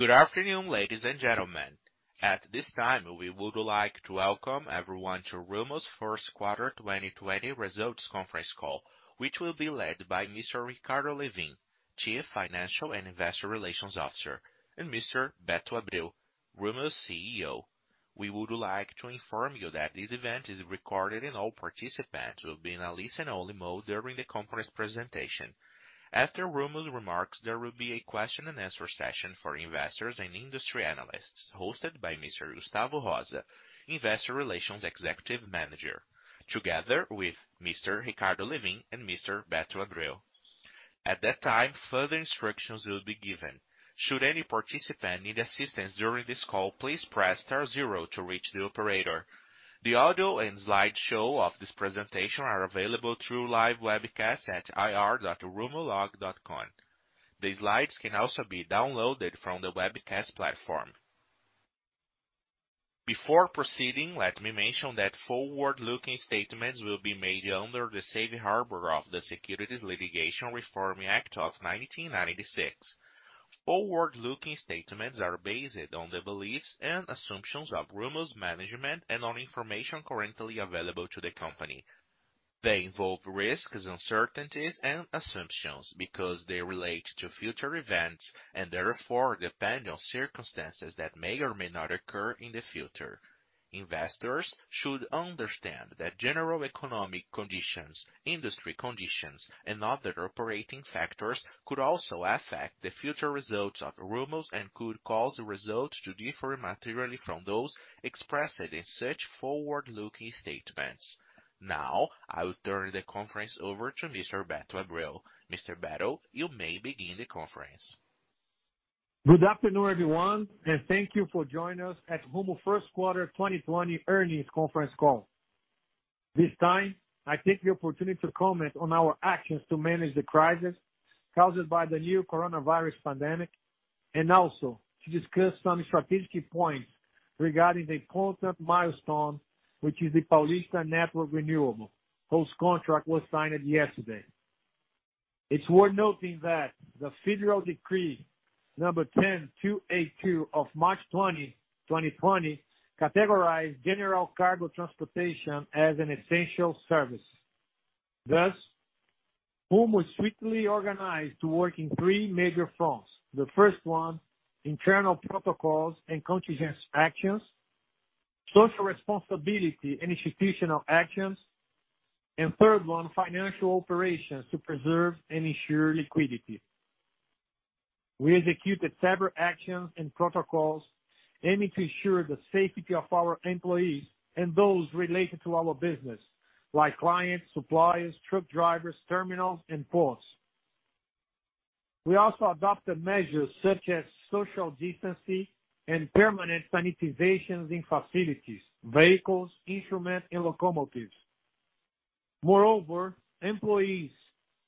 Good afternoon, ladies and gentlemen. At this time, we would like to welcome everyone to Rumo's first quarter 2020 results conference call, which will be led by Mr. Ricardo Lewin, Chief Financial and Investor Relations Officer, and Mr. Beto Abreu, Rumo's CEO. We would like to inform you that this event is recorded and all participants will be in a listen-only mode during the conference presentation. After Rumo's remarks, there will be a question and answer session for investors and industry analysts, hosted by Mr. Gustavo Rosa, Investor Relations Executive Manager, together with Mr. Ricardo Lewin and Mr. Beto Abreu. At that time, further instructions will be given. Should any participant need assistance during this call, please press star zero to reach the operator. The audio and slideshow of this presentation are available through live webcast at ir.rumolog.com. The slides can also be downloaded from the webcast platform. Before proceeding, let me mention that forward-looking statements will be made under the safe harbor of the Private Securities Litigation Reform Act of 1995. Forward-looking statements are based on the beliefs and assumptions of Rumo's management and on information currently available to the company. They involve risks, uncertainties, and assumptions because they relate to future events and therefore depend on circumstances that may or may not occur in the future. Investors should understand that general economic conditions, industry conditions, and other operating factors could also affect the future results of Rumo and could cause the results to differ materially from those expressed in such forward-looking statements. Now, I will turn the conference over to Mr. Beto Abreu. Mr. Beto, you may begin the conference. Good afternoon, everyone, and thank you for joining us at Rumo's first quarter 2020 earnings conference call. This time, I take the opportunity to comment on our actions to manage the crisis caused by the new coronavirus pandemic and also to discuss some strategic points regarding the important milestone, which is the Paulista Network Renewal, whose contract was signed yesterday. It's worth noting that the federal decree number 10282 of March 20, 2020, categorized general cargo transportation as an essential service. Thus, Rumo swiftly organized to work in three major fronts. The first one, internal protocols and contingency actions. Social responsibility and institutional actions. Third one, financial operations to preserve and ensure liquidity. We executed several actions and protocols aiming to ensure the safety of our employees and those related to our business, like clients, suppliers, truck drivers, terminals, and ports. We also adopted measures such as social distancing and permanent sanitizations in facilities, vehicles, instruments, and locomotives. Employees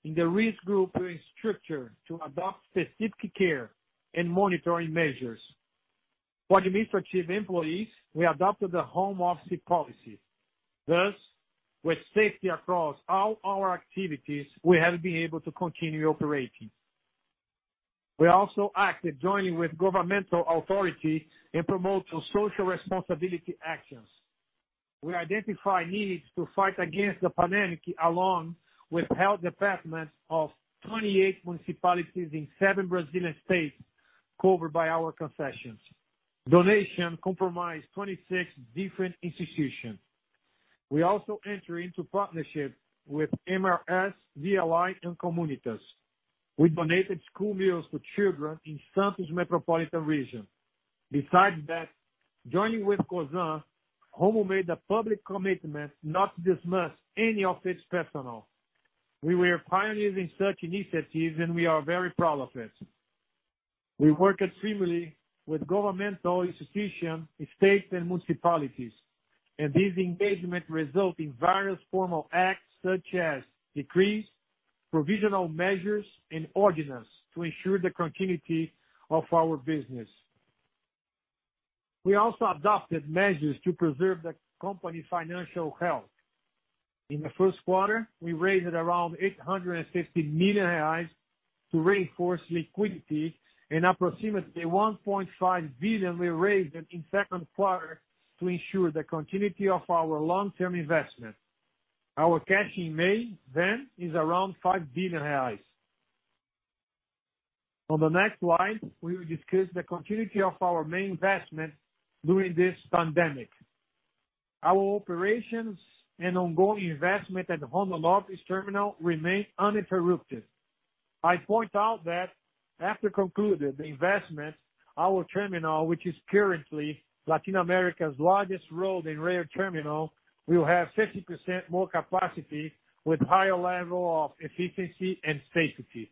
in the risk group were instructed to adopt specific care and monitoring measures. For administrative employees, we adopted the home office policy. With safety across all our activities, we have been able to continue operating. We also acted jointly with governmental authorities in promoting social responsibility actions. We identified needs to fight against the pandemic along with health departments of 28 municipalities in seven Brazilian states covered by our concessions. Donations comprised 26 different institutions. We also entered into partnership with MRS, VLI, and Comunitas. We donated school meals to children in Santos metropolitan region. Joining with Cosan, Rumo made a public commitment not to dismiss any of its personnel. We were pioneers in such initiatives, and we are very proud of it. We work extremely with governmental institutions, states, and municipalities, and this engagement results in various formal acts such as decrees, provisional measures, and ordinances to ensure the continuity of our business. We also adopted measures to preserve the company's financial health. In the first quarter, we raised around 850 million reais to reinforce liquidity, and approximately 1.5 billion we raised in second quarter to ensure the continuity of our long-term investment. Our cash in May, then, is around 5 billion reais. On the next slide, we will discuss the continuity of our main investment during this pandemic. Our operations and ongoing investment at Rumo Logística terminal remain uninterrupted. I point out that after concluding the investment, our terminal, which is currently Latin America's largest road and rail terminal, will have 50% more capacity with higher level of efficiency and safety.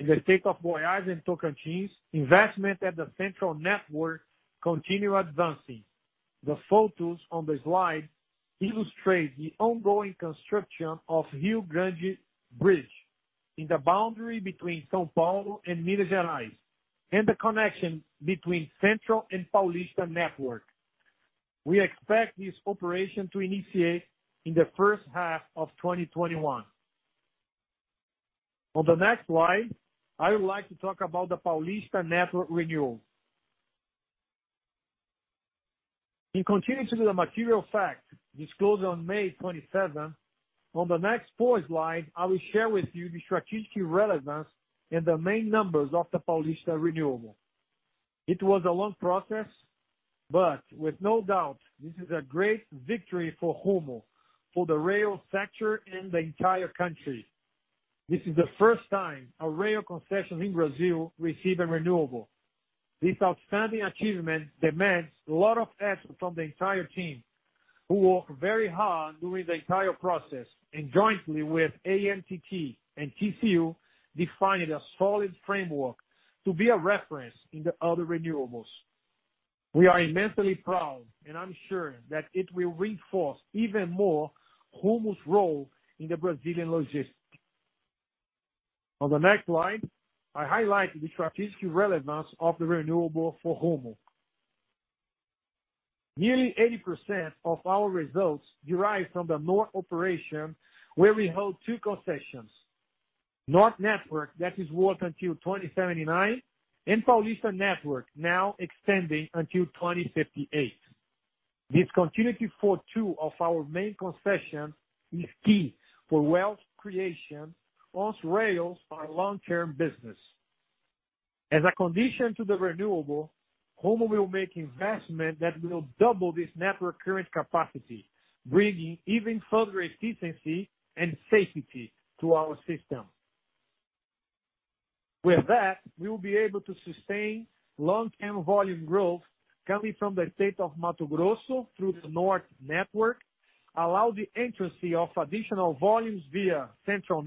In the states of Goiás and Tocantins, investment at the central network continue advancing. The photos on the slide illustrate the ongoing construction of Rio Grande Bridge in the boundary between São Paulo and Minas Gerais. The connection between central and Paulista Network. We expect this operation to initiate in the first half of 2021. On the next slide, I would like to talk about the Paulista Network renewal. In continuing to the material facts disclosed on May 27, on the next four slides, I will share with you the strategic relevance and the main numbers of the Paulista Renewal. It was a long process. With no doubt, this is a great victory for Rumo, for the rail sector and the entire country. This is the first time a rail concession in Brazil received a renewal. This outstanding achievement demands a lot of effort from the entire team, who worked very hard during the entire process and jointly with ANTT and TCU, defining a solid framework to be a reference in the other renewables. We are immensely proud, and I'm sure that it will reinforce even more Rumo's role in the Brazilian logistics. On the next slide, I highlight the strategic relevance of the renewal for Rumo. Nearly 80% of our results derive from the North operation, where we hold two concessions: North Network, that is worth until 2079, and Paulista Network, now extending until 2058. This continuity for two of our main concessions is key for wealth creation once rails are long-term business. As a condition to the renewals, Rumo will make investment that will double this network's current capacity, bringing even further efficiency and safety to our system. With that, we will be able to sustain long-term volume growth coming from the state of Mato Grosso through the North Network, allow the entrance fee of additional volumes via central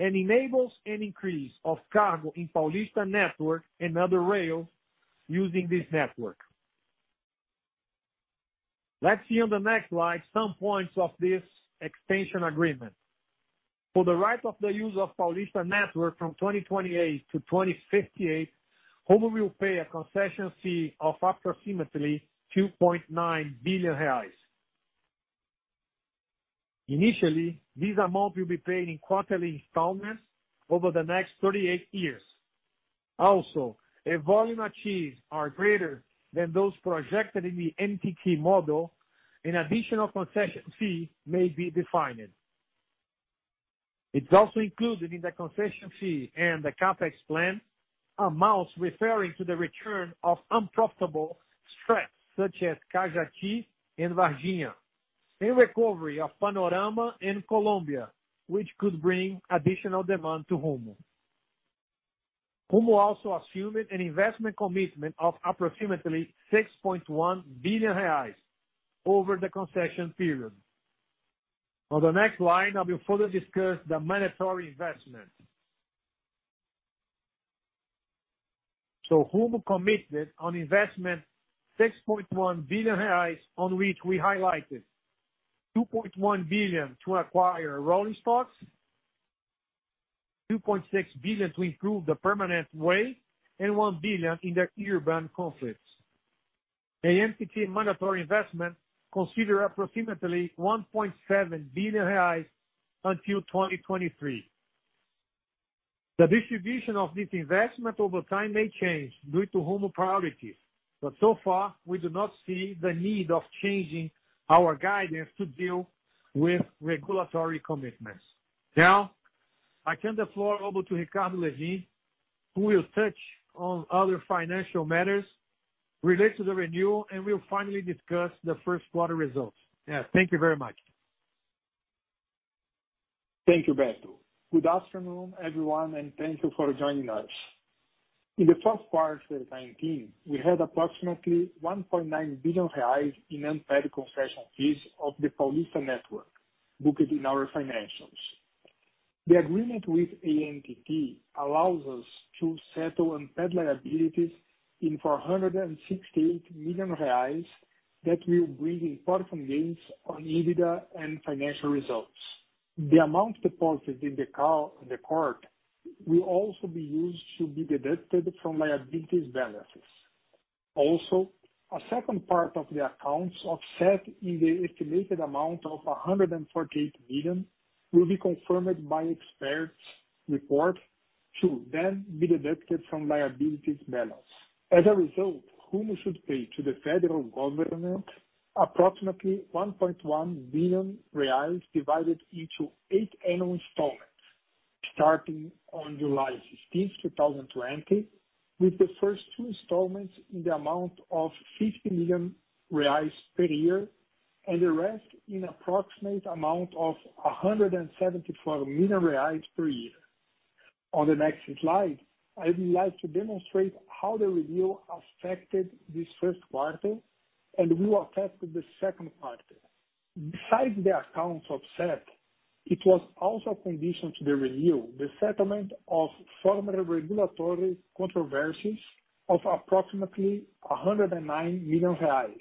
network, and enables an increase of cargo in Paulista Network and other rail using this network. Let's see on the next slide some points of this extension agreement. For the right of the use of Paulista Network from 2028 to 2058, Rumo will pay a concession fee of approximately 2.9 billion reais. Initially, this amount will be paid in quarterly installments over the next 38 years. If volume achieved are greater than those projected in the ANTT model, an additional concession fee may be defined. It's also included in the concession fee and the CapEx plan, amounts referring to the return of unprofitable stretches such as Cajati and Varginha and recovery of Panorama and Colômbia, which could bring additional demand to Rumo. Rumo also assumed an investment commitment of approximately 6.1 billion reais over the concession period. On the next slide, I will further discuss the mandatory investment. Rumo committed on investment 6.1 billion reais, on which we highlighted 2.1 billion to acquire rolling stocks, 2.6 billion to improve the permanent way, and 1 billion in the urban conflicts. The ANTT mandatory investment consider approximately 1.7 billion reais until 2023. The distribution of this investment over time may change due to Rumo's priority; so far, we do not see the need of changing our guidance to deal with regulatory commitments. Now, I turn the floor over to Ricardo Lewin, who will touch on other financial matters related to the renewal and will finally discuss the first quarter results. Yeah. Thank you very much. Thank you, Beto. Good afternoon, everyone, and thank you for joining us. In the first part of 2019, we had approximately 1.9 billion reais in unpaid concession fees of the Paulista Network booked in our financials. The agreement with ANTT allows us to settle unpaid liabilities in 468 million reais that will bring important gains on EBITDA and financial results. The amount deposited in the court will also be used to be deducted from liabilities balances. A second part of the accounts offset in the estimated amount of 148 million will be confirmed by experts report to then be deducted from liabilities balance. As a result, Rumo should pay to the federal government approximately 1.1 billion reais divided into eight annual installments, starting on July 15th, 2020, with the first two installments in the amount of 50 million reais per year and the rest in approximate amount of 174 million reais per year. On the next slide, I would like to demonstrate how the renewal affected this first quarter and will affect the second quarter. Besides the accounts offset, it was also a condition to the renewal, the settlement of former regulatory controversies of approximately 109 million reais,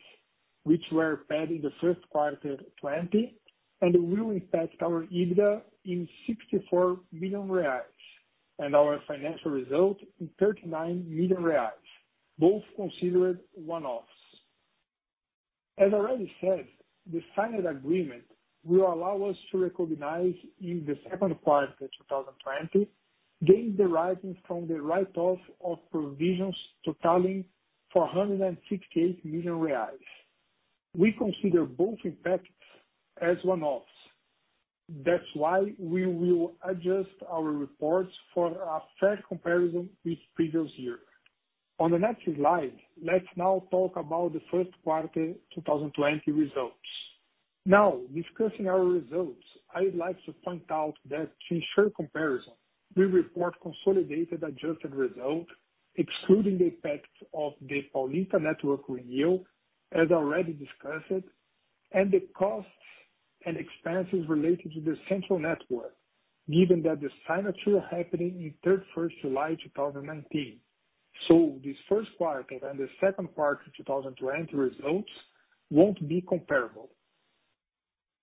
which were paid in the first quarter 2020 and will impact our EBITDA in 64 million reais. Our financial result in 39 million reais, both considered one-offs. As I already said, the signed agreement will allow us to recognize in the second quarter 2020 gains deriving from the write-off of provisions totaling 468 million reais. We consider both impacts as one-offs. That's why we will adjust our reports for a fair comparison with previous year. On the next slide, let's now talk about the first quarter 2020 results. Now discussing our results, I would like to point out that to ensure comparison, we report consolidated adjusted results, excluding the effect of the Paulista Network renewal as already discussed and the costs and expenses related to the central network, given that the signature happening in July 31st, 2019. This first quarter and the second quarter 2020 results won't be comparable.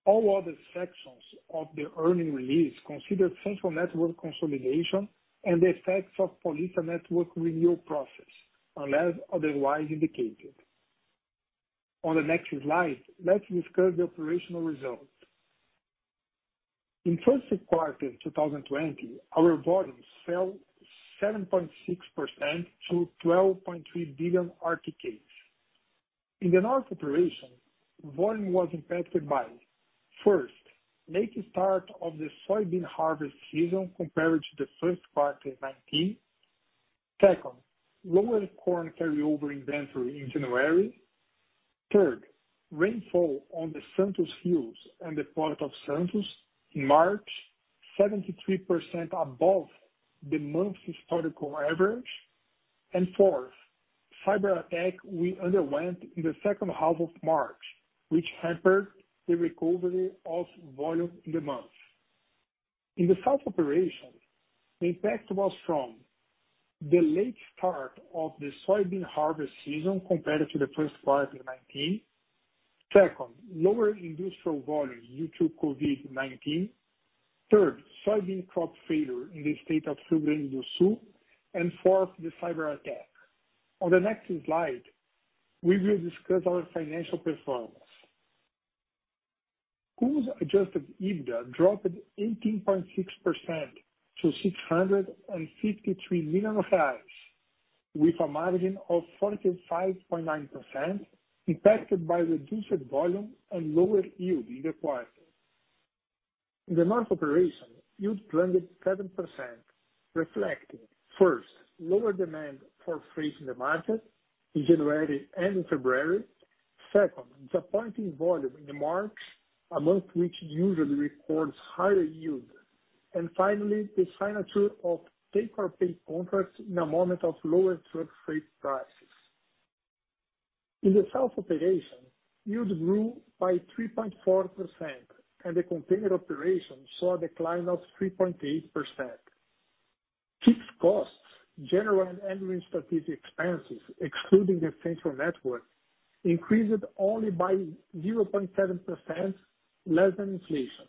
All other sections of the earnings release consider central network consolidation and the effects of Paulista Network renewal process, unless otherwise indicated. On the next slide, let's discuss the operational results. In first quarter 2020, our volumes fell 7.6% to 12.3 billion RTKs. In the North operation, volume was impacted by, first, late start of the soybean harvest season compared to the first quarter 2019. Second, lower corn carryover inventory in January. Third, rainfall on the Santos fields and the Port of Santos in March, 73% above the month's historical average. Fourth, a cyberattack we underwent in the second half of March, which hampered the recovery of volume in the month. In the South operation, the impact was from the late start of the soybean harvest season compared to the first quarter 2019. Second, lower industrial volumes due to COVID-19. Third, soybean crop failure in the state of Rio Grande do Sul. Fourth, the cyber attack. On the next slide, we will discuss our financial performance. Rumo's adjusted EBITDA dropped 18.6% to 653 million, with a margin of 45.9%, impacted by reduced volume and lower yield in the quarter. In the North operation, yield dwindled 7%, reflecting, first, lower demand for freight in the market in January and in February. Second, disappointing volume in March, a month which usually records a higher yield. Finally, the signature of take-or-pay contracts in a moment of lower truck freight prices. In the South operation, yield grew by 3.4%. The container operation saw a decline of 3.8%. Fixed costs, general, and administrative expenses, excluding the central network, increased only by 0.7%, less than inflation.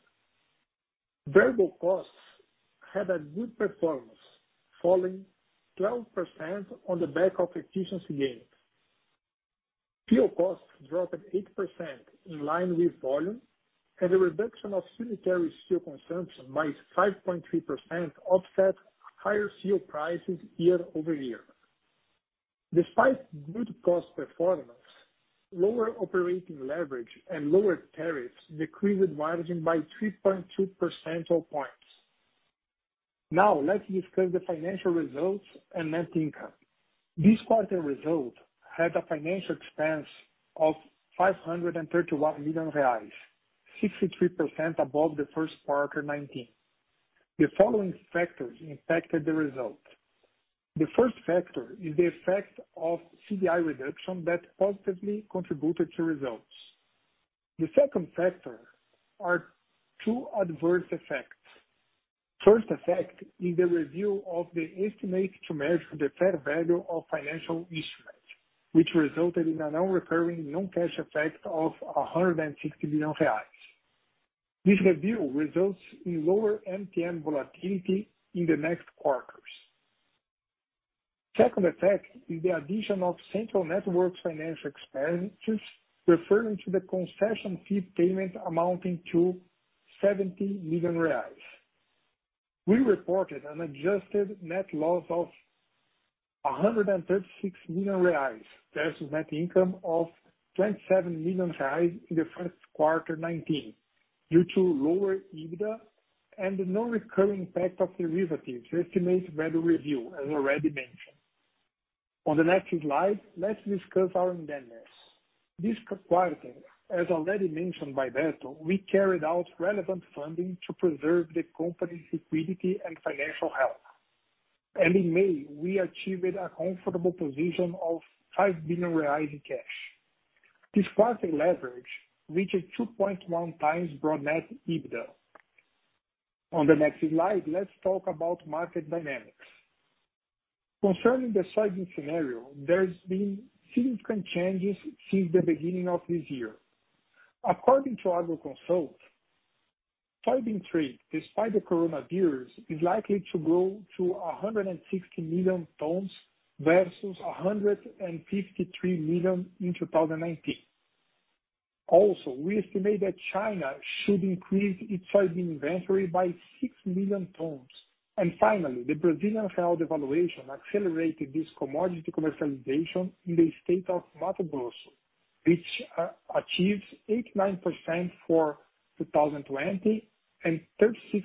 Variable costs had a good performance, falling 12% on the back of efficiency gains. Fuel costs dropped 8% in line with volume. The reduction of unitary fuel consumption by 5.3% offset higher fuel prices year-over-year. Despite good cost performance, lower operating leverage and lower tariffs decreased margin by 3.2 percentile points. Now let's discuss the financial results and net income. This quarter's result had a financial expense of 531 million reais, 63% above the first quarter 2019. The following factors impacted the result. The first factor is the effect of CDI reduction that positively contributed to results. The second factor are two adverse effects. First effect is the review of the estimate to measure the fair value of financial instrument, which resulted in a non-recurring non-cash effect of 160 million reais. This review results in lower NPV volatility in the next quarters. Second effect is the addition of Central Network financial expenses, referring to the concession fee payment amounting to 70 million reais. We reported an adjusted net loss of 136 million reais versus net income of 27 million reais in the first quarter of 2019, due to lower EBITDA and the non-recurring impact of the derivatives' estimated value review, as already mentioned. On the next slide, let's discuss our indebtedness. This quarter, as already mentioned by Beto, we carried out relevant funding to preserve the company's liquidity and financial health. In May, we achieved a comfortable position of 5 billion reais in cash. This quarter leverage reached 2.1 times pro forma net EBITDA. On the next slide, let's talk about market dynamics. Concerning the soybean scenario, there's been significant change since the beginning of this year. According to Agroconsult, soybean trade, despite the COVID-19, is likely to grow to 160 million tons versus 153 million in 2019. We estimate that China should increase its soybean inventory by 6 million tons. Finally, the Brazilian real devaluation accelerated this commodity commercialization in the state of Mato Grosso, which achieves 89% for 2020 and 36%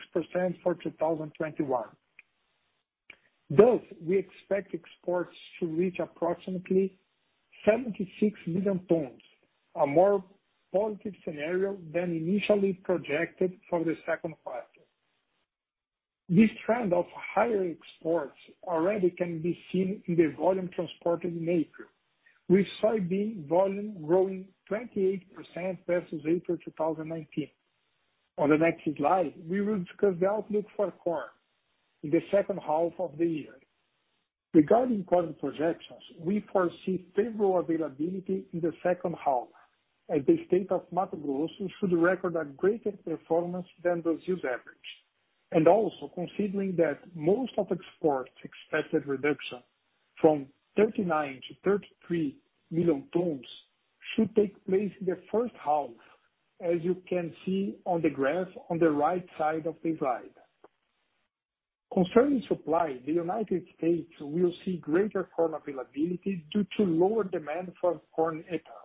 for 2021. We expect exports to reach approximately 76 million tons. A more positive scenario than initially projected for the second quarter. This trend of higher exports already can be seen in the volume transported in April, with soybean volume growing 28% versus April 2019. On the next slide, we will discuss the outlook for corn in the second half of the year. Regarding corn projections, we foresee favorable availability in the second half, as the state of Mato Grosso should record a greater performance than Brazil's average. Also considering that most of exports expected reduction from 39 million to 33 million tons should take place in the first half, as you can see on the graph on the right side of the slide. Concerning supply, the U.S. will see greater corn availability due to lower demand for corn ethanol,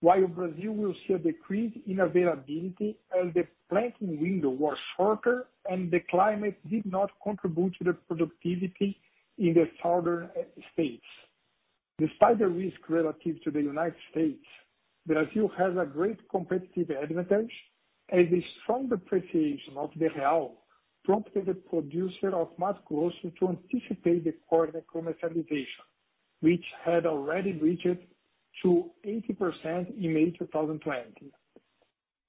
while Brazil will see a decrease in availability as the planting window was shorter and the climate did not contribute to the productivity in the southern states. Despite the risk relative to the U.S., Brazil has a great competitive advantage, as a strong depreciation of the real prompted the producer of Mato Grosso to anticipate the corn commercialization, which had already reached 80% in May 2020.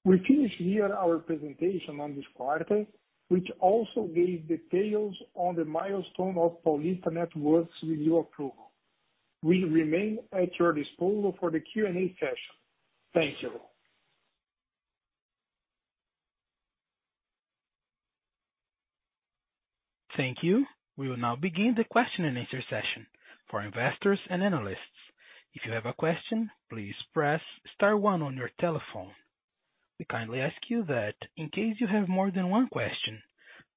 We finish here our presentation on this quarter, which also gave details on the milestone of Paulista Network review approval. We remain at your disposal for the Q&A session. Thank you. Thank you. We will now begin the question and answer session for investors and analysts. If you have a question, please press star one on your telephone. We kindly ask you that in case you have more than one question,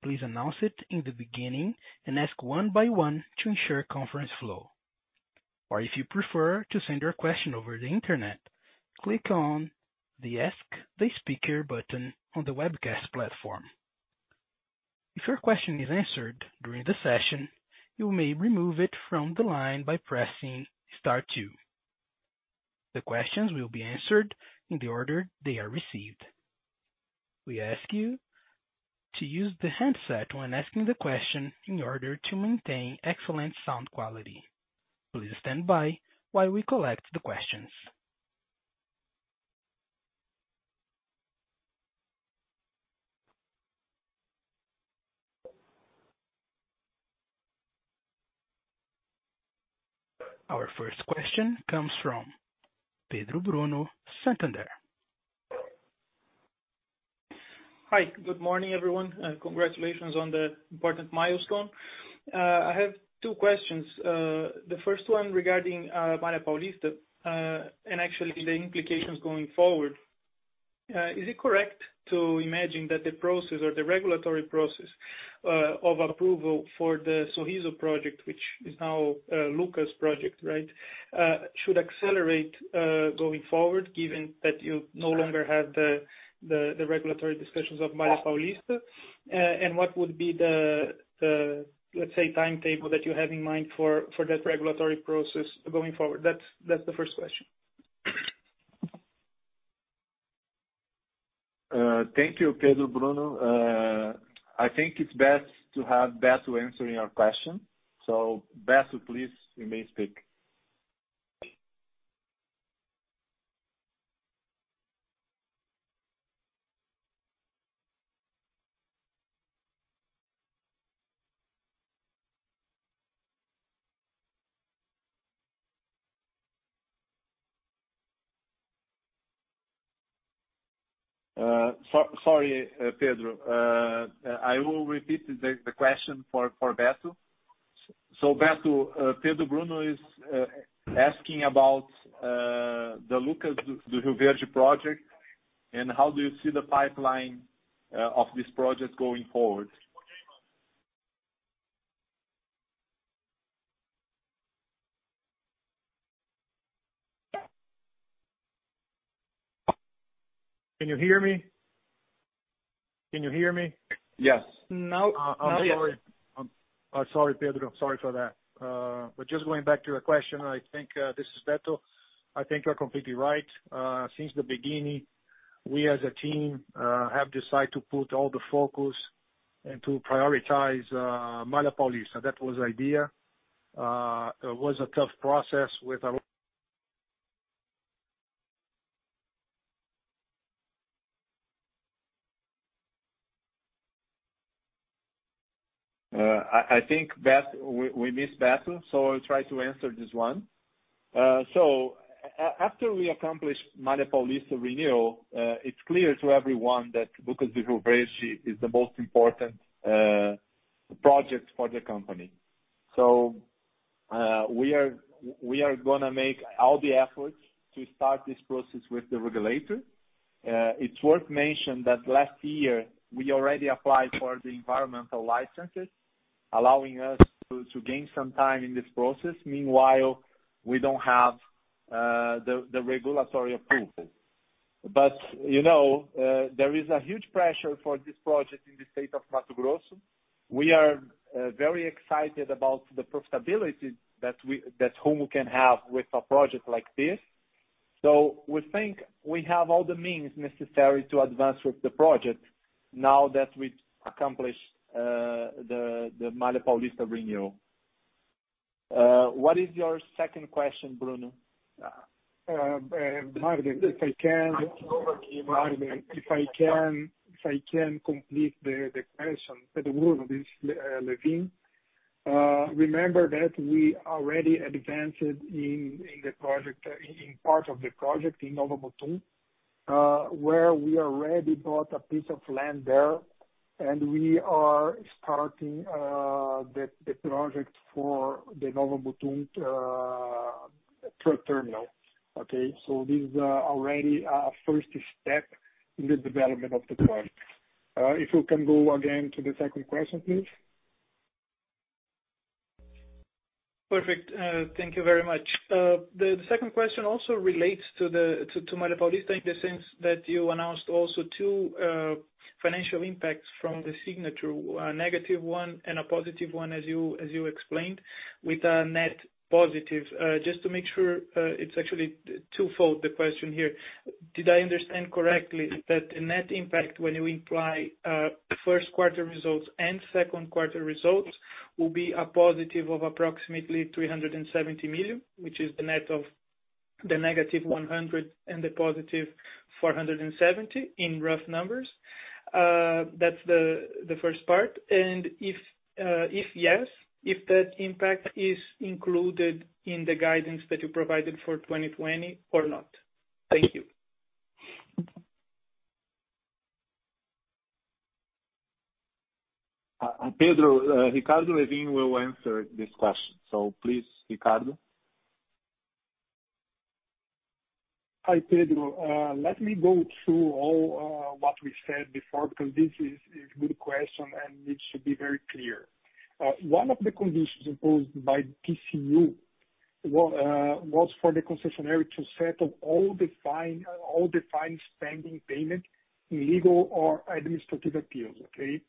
please announce it in the beginning and ask one by one to ensure conference flow. If you prefer to send your question over the Internet, click on the Ask the Speaker button on the webcast platform. If your question is answered during the session, you may remove it from the line by pressing star two. The questions will be answered in the order they are received. We ask you to use the handset when asking the question in order to maintain excellent sound quality. Please stand by while we collect the questions. Our first question comes from Pedro Bruno, Santander. Hi. Good morning, everyone. Congratulations on the important milestone. I have two questions. The first one regarding Malha Paulista and, actually, the implications going forward. Is it correct to imagine that the process or the regulatory process of approval for the Sorriso project, which is now Lucas project, right, should accelerate going forward given that you no longer have the regulatory discussions of Malha Paulista? What would be the, let's say, timetable that you have in mind for that regulatory process going forward? That's the first question. Thank you, Pedro Bruno. I think it's best to have Beto answering your question. Beto, please, you may speak. Sorry, Pedro. I will repeat the question for Beto. Beto, Pedro Bruno is asking about the Lucas do Rio Verde project, and how do you see the pipeline of this project going forward? Can you hear me? Yes. Now, yes. Sorry, Pedro. Sorry for that. Just going back to your question, this is Beto. I think you're completely right. Since the beginning, we as a team have decided to put all the focus and to prioritize Malha Paulista. That was the idea. It was a tough process with a lot I think we missed Beto. I'll try to answer this one. After we accomplished Malha Paulista renewal, it's clear to everyone that Lucas do Rio Verde is the most important project for the company. We are going to make all the efforts to start this process with the regulator. It's worth mention that last year we already applied for the environmental licenses, allowing us to gain some time in this process. Meanwhile, we don't have the regulatory approval. There is a huge pressure for this project in the state of Mato Grosso. We are very excited about the profitability that Rumo can have with a project like this. We think we have all the means necessary to advance with the project now that we accomplished the Malha Paulista renewal. What is your second question, Bruno? If I can complete the question, Pedro, this is Lewin. Remember that we already advanced in part of the project in Novo Mutum, where we already bought a piece of land there, and we are starting the project for the Novo Mutum terminal. Okay, this is already our first step in the development of the project. If you can go again to the second question, please. Perfect. Thank you very much. The second question also relates to Malha Paulista in the sense that you announced also two financial impacts from the signature, a negative one and a positive one, as you explained, with a net positive. Just to make sure, it's actually twofold, the question here. Did I understand correctly that the net impact when you imply first quarter results and second quarter results will be a positive of approximately 370 million, which is the net of the negative 100 and the positive 470 in rough numbers? That's the first part. If yes, if that impact is included in the guidance that you provided for 2020 or not? Thank you. Pedro, Ricardo Lewin will answer this question. Please, Ricardo. Hi, Pedro. Let me go through all what we said before because this is a good question and it should be very clear. One of the conditions imposed by TCU was for the concessionaire to settle all defined spending payments in legal or administrative appeals. Okay?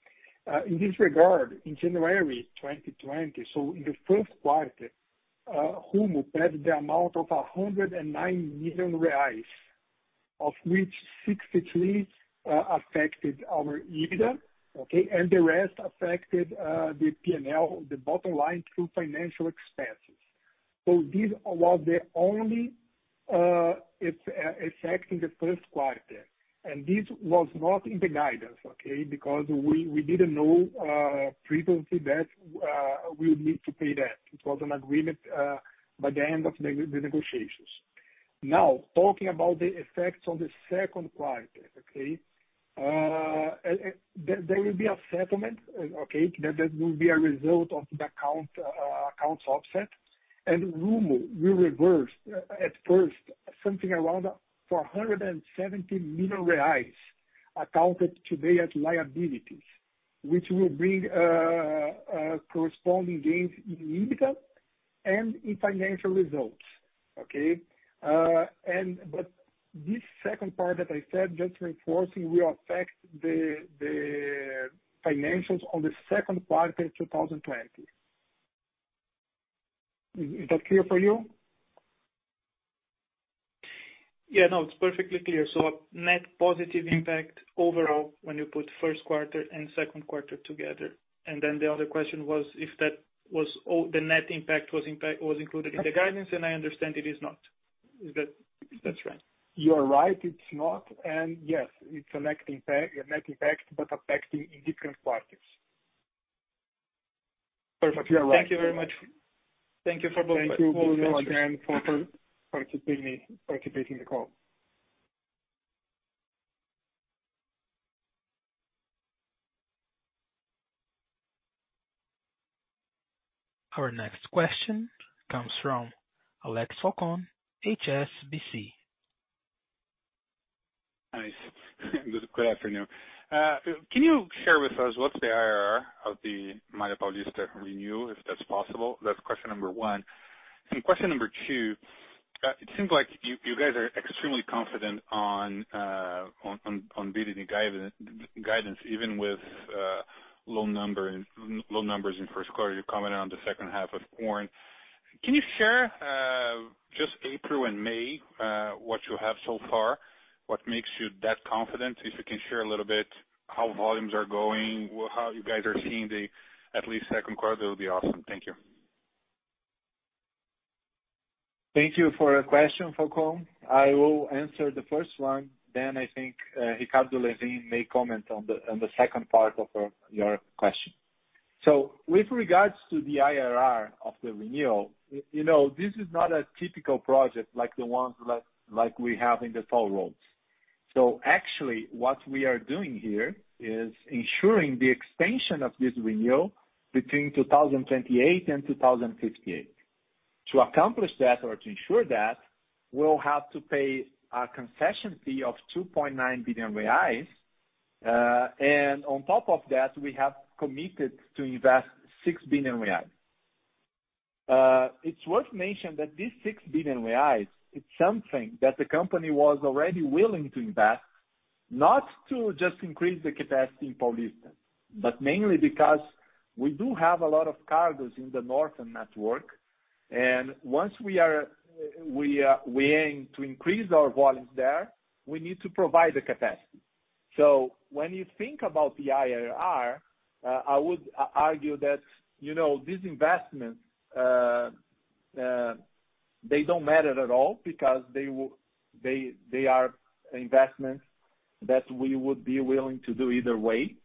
In this regard, in January 2020, so in the first quarter, Rumo paid the amount of 109 million reais, of which 63 affected our EBITDA. Okay? The rest affected the P&L, the bottom line, through financial expenses. This was the only effect in the first quarter, and this was not in the guidance, okay? We didn't know previously that we would need to pay that. It was an agreement by the end of the negotiations. Talking about the effects on the second quarter, okay? There will be a settlement, okay, that will be a result of the accounts offset. Rumo will reverse at first something around 470 million reais accounted today as liabilities, which will bring corresponding gains in EBITDA and in financial results. Okay? This second part that I said, just reinforcing, will affect the financials on the second quarter 2020. Is that clear for you? Yeah, no, it's perfectly clear. A net positive impact overall when you put first quarter and second quarter together. The other question was if the net impact was included in the guidance, and I understand it is not. Is that right? You are right, it's not. Yes, it's a net impact, but affecting in different quarters. Perfect. Thank you very much. Thank you for both. Thank you. For participating in the call. Our next question comes from Alex Falcão, HSBC. Nice. Good afternoon. Can you share with us what's the IRR of the Malha Paulista renewal, if that's possible? That's question number one. Question number two, it seems like you guys are extremely confident on beating the guidance even with low numbers in first quarter. You're commenting on the second half of corn. Can you share just April and May, what you have so far? What makes you that confident? If you can share a little bit how volumes are going, how you guys are seeing at least second quarter, that would be awesome. Thank you. Thank you for your question, Falcão. I will answer the first one, then I think Ricardo Lewin may comment on the second part of your question. With regards to the IRR of the renewal, this is not a typical project like the ones like we have in the toll roads. Actually, what we are doing here is ensuring the extension of this renewal between 2028 and 2058. To accomplish that or to ensure that, we'll have to pay a concession fee of 2.9 billion reais. On top of that, we have committed to invest 6 billion reais. It's worth mentioning that this 6 billion reais, it's something that the company was already willing to invest, not to just increase the capacity in Paulista, but mainly because we do have a lot of cargoes in the North Network. Once we aim to increase our volumes there, we need to provide the capacity. When you think about the IRR, I would argue that these investments, they don't matter at all because they are investments that we would be willing to do either way.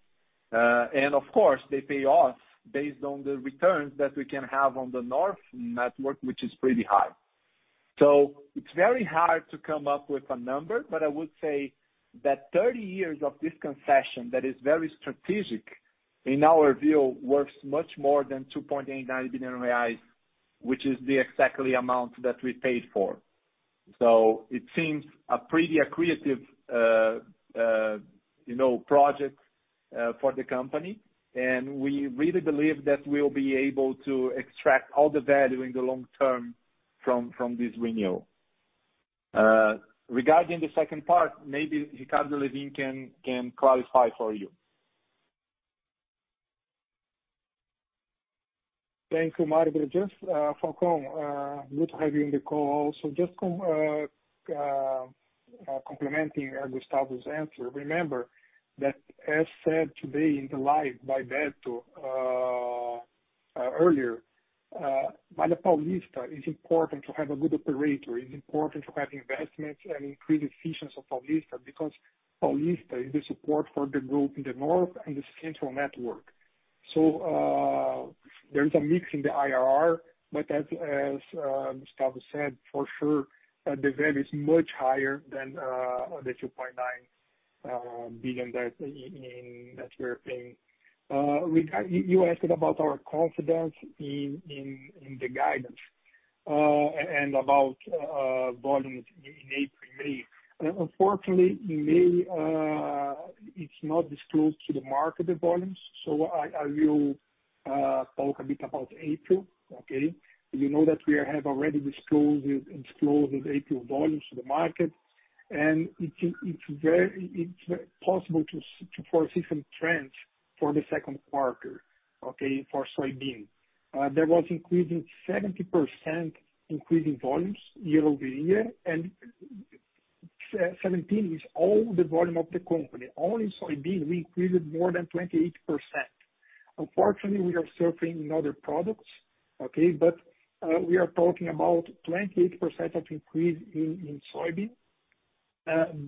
Of course, they pay off based on the returns that we can have on the North Network, which is pretty high. It's very hard to come up with a number, but I would say that 30 years of this concession that is very strategic, in our view, works much more than 2.89 billion reais, which is the exact amount that we paid for. It seems a pretty accretive project for the company, and we really believe that we'll be able to extract all the value in the long term from this renewal. Regarding the second part, maybe Ricardo Lewin can clarify for you. Thank you, Gustavo. Falcão, good to have you in the call also. Just complementing Gustavo's answer, remember that as said today in the live by Beto earlier, Malha Paulista is important to have a good operator. It's important to have investments and increase efficiency of Paulista because Paulista is the support for the group in the North Network and the central network. There is a mix in the IRR, but as Gustavo said, for sure, the value is much higher than 2.9 billion that we are paying. You asked about our confidence in the guidance and about volumes in April and May. Unfortunately, in May, it's not disclosed to the market, the volumes. I will talk a bit about April. Okay. You know that we have already disclosed April volumes to the market, and it's possible to foresee some trends for the second quarter for soybean. There was 70% increase in volumes year-over-year. 17 is all the volume of the company. Only soybean, we increased more than 28%. Unfortunately, we are suffering in other products, okay? We are talking about 28% of increase in soybean.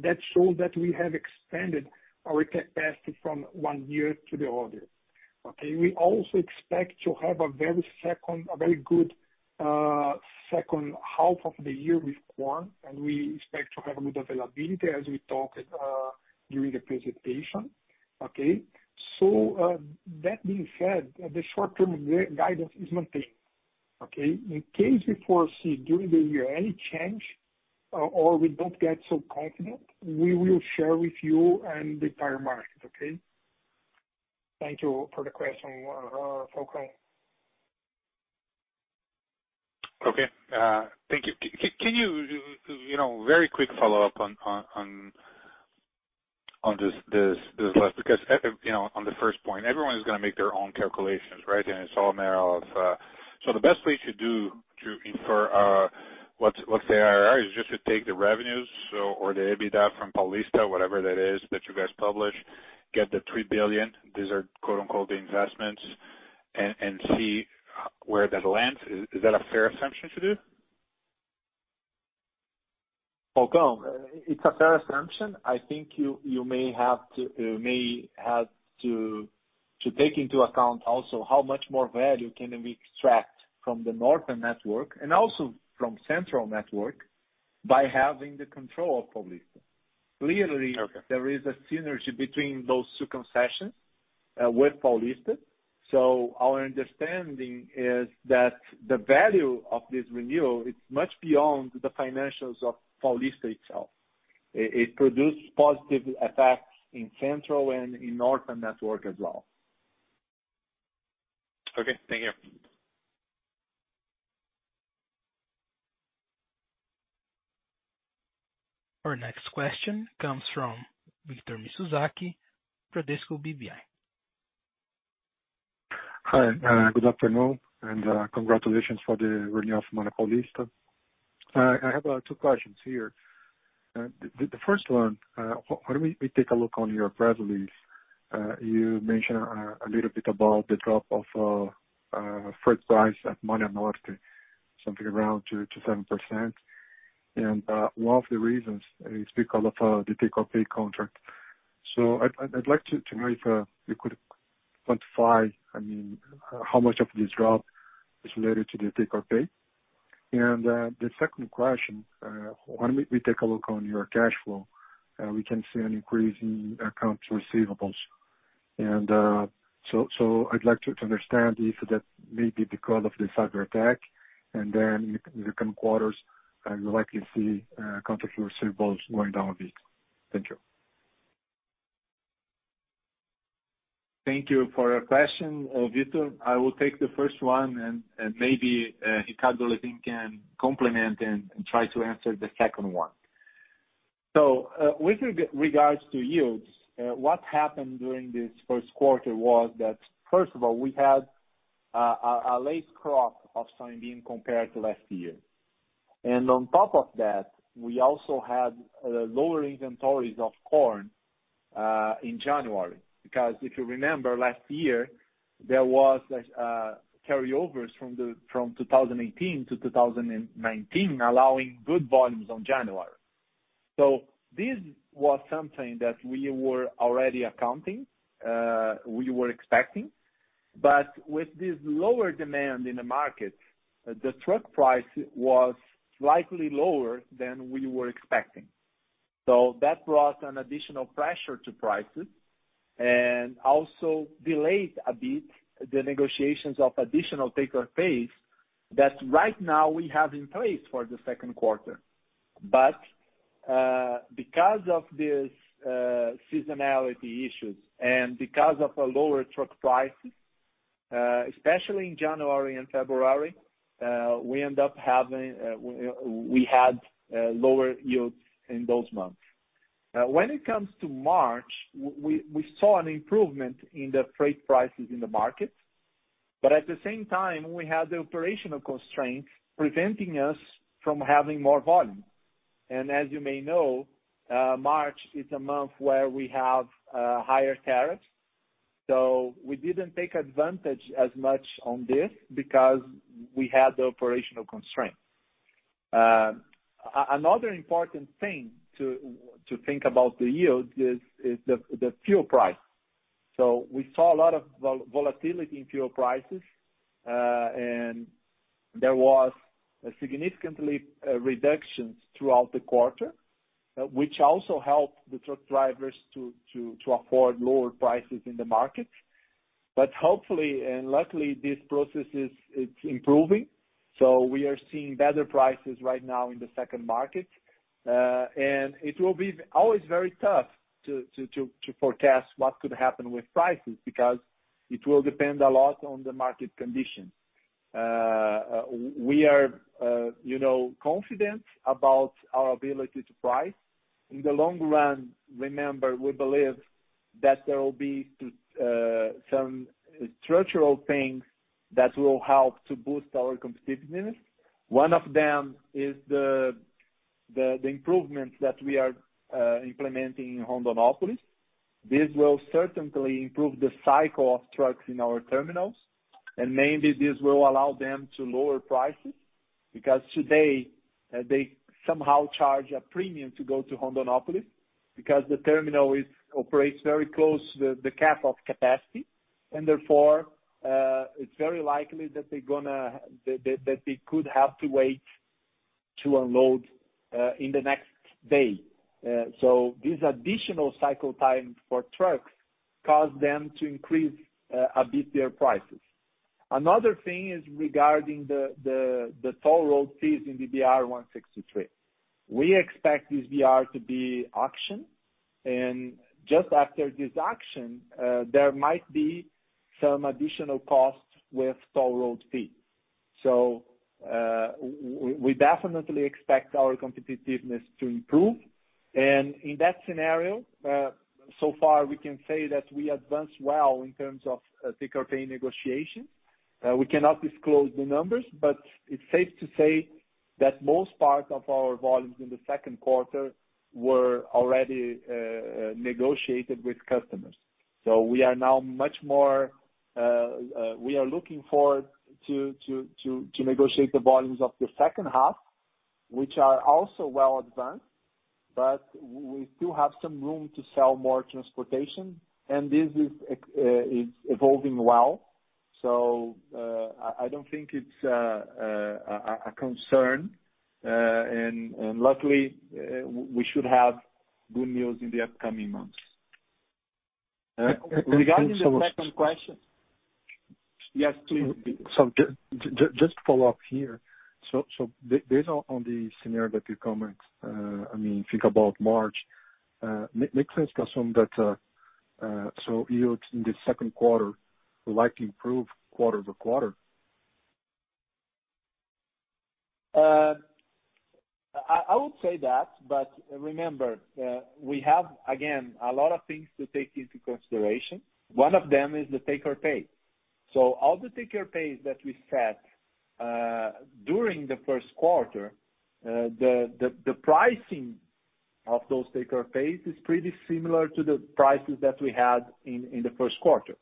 That shows that we have expanded our capacity from one year to the other. Okay? We also expect to have a very good second half of the year with corn, and we expect to have a good availability, as we talked during the presentation. Okay? That being said, the short-term guidance is maintained. Okay? In case we foresee during the year any change or we don't get so confident, we will share with you and the entire market, okay? Thank you for the question, Falcao. Okay. Thank you. Can you very quick follow-up on this last, because on the first point, everyone is going to make their own calculations, right? The best way to do to infer what the IRR is just to take the revenues, or the EBITDA from Paulista, whatever that is that you guys publish, get the 3 billion, these are "the investments," and see where that lands. Is that a fair assumption to do? Falcão, it's a fair assumption. I think you may have to take into account also how much more value can we extract from the North Network and also from central network by having the control of Paulista. Okay There is a synergy between those two concessions, with Paulista. Our understanding is that the value of this renewal, it's much beyond the financials of Paulista itself. It produced positive effects in central network and in North Network as well. Okay. Thank you. Our next question comes from Victor Mizusaki, Bradesco BBI. Hi, good afternoon, and congratulations for the renewal of Malha Paulista. I have two questions here. The first one, when we take a look on your press release, you mentioned a little bit about the drop of freight price at Malha, something around 2%-7%. One of the reasons is because of the take-or-pay contract. I'd like to know if you could quantify how much of this drop is related to the take-or-pay. The second question: when we take a look on your cash flow, we can see an increase in accounts receivable. I'd like to understand if that may be because of the cyberattack and then in the coming quarters, you'd like to see accounts receivable going down a bit. Thank you. Thank you for your question, Victor. I will take the first one, and maybe Ricardo, I think, can complement and try to answer the second one. With regards to yields, what happened during this first quarter was that, first of all, we had a late crop of soybean compared to last year. On top of that, we also had lower inventories of corn in January. If you remember last year, there was carryovers from 2018 to 2019, allowing good volumes on January. This was something that we were already accounting, we were expecting. With this lower demand in the market, the truck price was slightly lower than we were expecting. That brought an additional pressure to prices and also delayed a bit the negotiations of additional take-or-pays that right now we have in place for the second quarter. Because of these seasonality issues and because of a lower truck prices, especially in January and February, we had lower yields in those months. When it comes to March, we saw an improvement in the freight prices in the market. At the same time, we had the operational constraints preventing us from having more volume. As you may know, March is a month where we have higher tariffs. We didn't take advantage as much on this because we had the operational constraints. Another important thing to think about the yield is the fuel price. We saw a lot of volatility in fuel prices, and there was a significant reduction throughout the quarter, which also helped the truck drivers to afford lower prices in the market. Hopefully, and luckily, this process is improving. We are seeing better prices right now in the second market. It will be always very tough to forecast what could happen with prices because it will depend a lot on the market conditions. We are confident about our ability to price. In the long run, remember, we believe that there will be some structural things that will help to boost our competitiveness. One of them is the improvements that we are implementing in Rondonópolis. This will certainly improve the cycle of trucks in our terminals, and maybe this will allow them to lower prices, because today they somehow charge a premium to go to Rondonópolis, because the terminal operates very close to the cap of capacity, and therefore, it's very likely that they could have to wait to unload in the next day. This additional cycle time for trucks caused them to increase a bit their prices. Another thing is regarding the toll road fees in the BR-163. We expect this BR to be auctioned, and just after this auction, there might be some additional costs with toll road fees. We definitely expect our competitiveness to improve. In that scenario, so far we can say that we advanced well in terms of take-or-pay negotiations. We cannot disclose the numbers, but it's safe to say that most part of our volumes in the second quarter were already negotiated with customers. We are looking forward to negotiate the volumes of the second half, which are also well advanced. We still have some room to sell more transportation, and this is evolving well. I don't think it's a concern. Luckily, we should have good news in the upcoming months. Regarding the second question. Yes, please. Just to follow up here. Based on the scenario that you comment, think about March, makes sense to assume that yields in the second quarter will likely improve quarter-to-quarter? I would say that, remember, we have, again, a lot of things to take into consideration. One of them is the take-or-pay. All the take-or-pay that we set during the first quarter, the pricing of those take-or-pay is pretty similar to the prices that we had in the first quarter.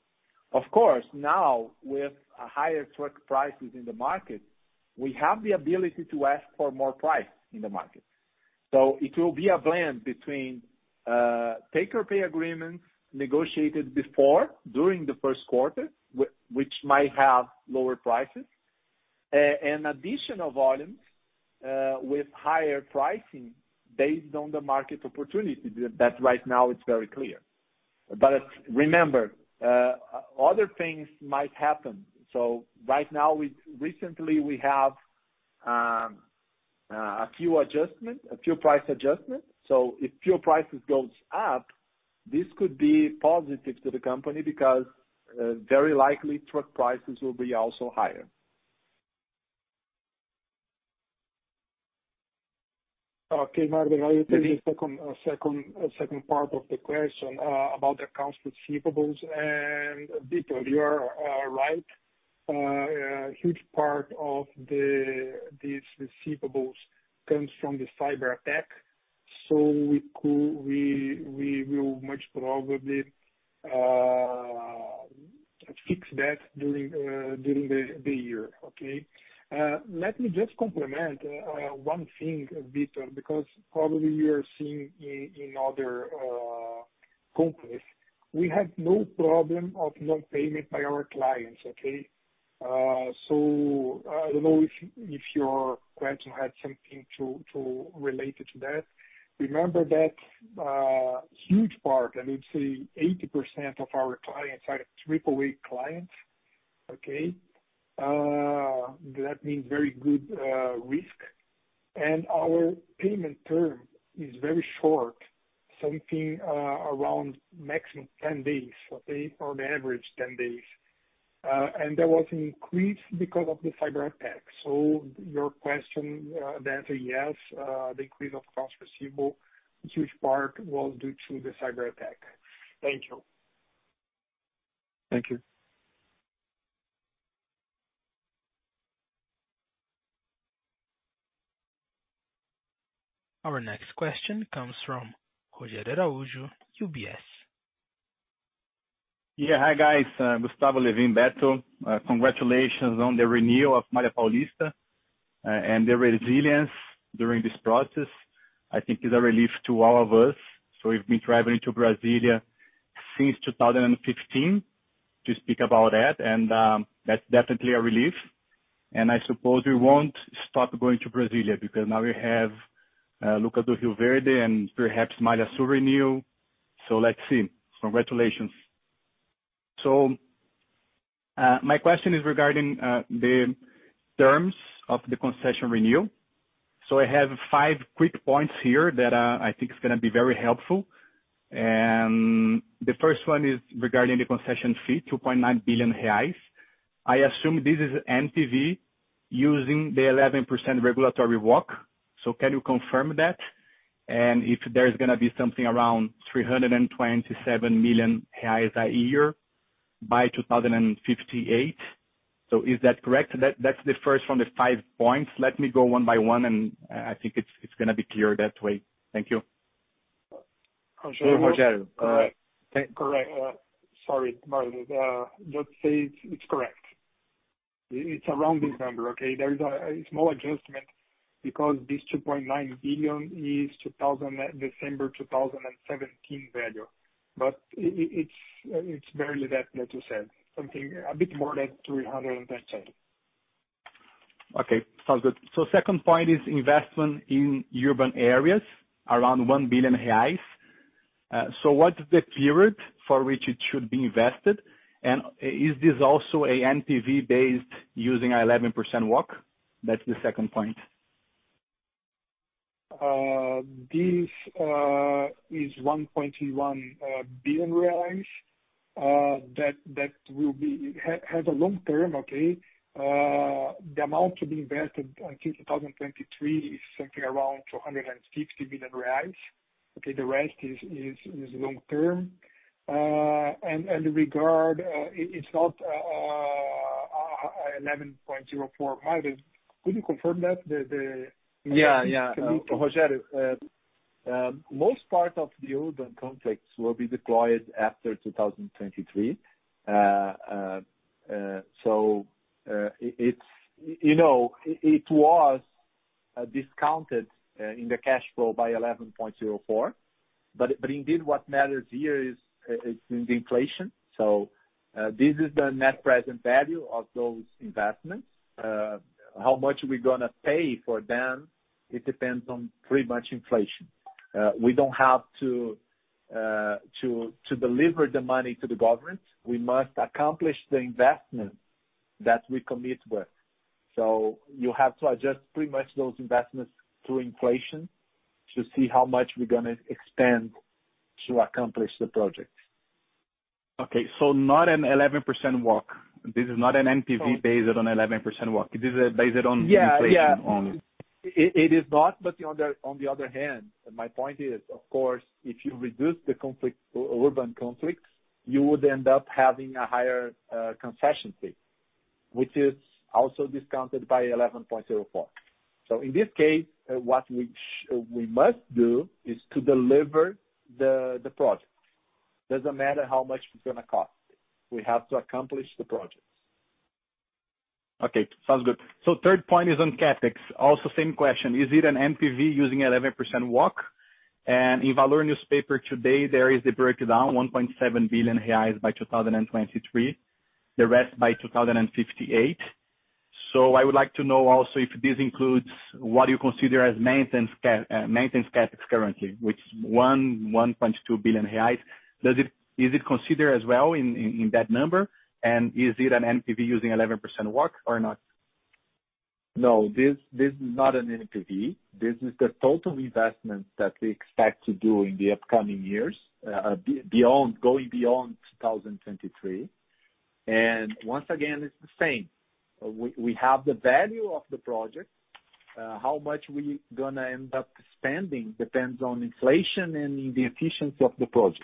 Of course, now with higher truck prices in the market, we have the ability to ask for more price in the market. It will be a blend between take-or-pay agreements negotiated before, during the first quarter, which might have lower prices, and additional volumes with higher pricing based on the market opportunity that right now is very clear. Remember, other things might happen. Right now, recently, we have a few price adjustments. If fuel prices goes up, this could be positive to the company because very likely truck prices will be also higher. Okay, Lewin, I will take the second part of the question about accounts receivables. Victor, you are right; a huge part of these receivables comes from the cyber attack. We will most probably fix that during the year. Okay? Let me just complement one thing, Victor, because probably you are seeing in other companies. We have no problem of non-payment by our clients, okay? I don't know if your question had something related to that. Remember that a huge part, I would say 80% of our clients, are AAA clients, okay? That means very good risk. Our payment term is very short, something around maximum 10 days. Okay? On average 10 days. There was an increase because of the cyber attack. Your question, the answer is yes, the increase of accounts receivable, a huge part, was due to the cyberattack. Thank you. Thank you. Our next question comes from Rogério Araújo, UBS. Hi, guys. Gustavo, Lewin, and Beto, congratulations on the renewal of Malha Paulista and the resilience during this process; I think is a relief to all of us. We've been traveling to Brasília since 2015 to speak about that, and that's definitely a relief. I suppose we won't stop going to Brasília because now we have Lucas do Rio Verde and perhaps Malha Sul renewal. Let's see. Congratulations. My question is regarding the terms of the concession renewal. I have five quick points here that I think is going to be very helpful. The first one is regarding the concession fee, 2.9 billion reais. I assume this is NPV using the 11% regulatory WACC. Can you confirm that? If there is going to be something around 327 million reais a year by 2058. Is that correct? That's the first one of five points. Let me go one by one, and I think it's going to be clear that way. Thank you. Rogério- Rogério. Correct. Sorry, Lewin. Let's say it's correct. It's around this number. Okay? There is a small adjustment because this 2.9 billion is December 2017 value, but it's barely that, as you said. Something a bit more than 300 and change. Okay, sounds good. Second point is investment in urban areas, around 1 billion reais. What is the period for which it should be invested, and is this also a NPV based using 11% WACC? That's the second point. This is 1.1 billion reais. That will have a long-term okay? The amount to be invested until 2023 is something around 260 million reais. Okay? The rest is long-term. It's not 11.04. Marvin, could you confirm that? Yeah. Rogério, most parts of the urban conflicts will be deployed after 2023. It was discounted in the cash flow by 11.04, but indeed, what matters here is the inflation. This is the net present value of those investments. How much are we going to pay for them? It depends on pretty much inflation. We don't have to deliver the money to the government. We must accomplish the investment that we commit with. You have to adjust pretty much those investments through inflation to see how much we're going to expand to accomplish the project. Okay, not an 11% WACC. This is not an NPV based on 11% WACC. This is based on inflation only. It is not. On the other hand, my point is, of course, if you reduce the urban conflicts, you would end up having a higher concession fee, which is also discounted by 11.04. In this case, what we must do is to deliver the project. Doesn't matter how much it's going to cost. We have to accomplish the projects. Okay. Sounds good. Third point is on CapEx. Also, same question: is it an NPV using 11% WACC? In Valor newspaper today, there is a breakdown: 1.7 billion reais by 2023, the rest by 2058. I would like to know also if this includes what you consider as maintenance CapEx currently, which is 1.2 billion reais. Is it considered as well in that number? Is it an NPV using 11% WACC or not? No, this is not an NPV. This is the total investment that we expect to do in the upcoming years, going beyond 2023. Once again, it's the same. We have the value of the project. How much we are going to end up spending depends on inflation and the efficiency of the project.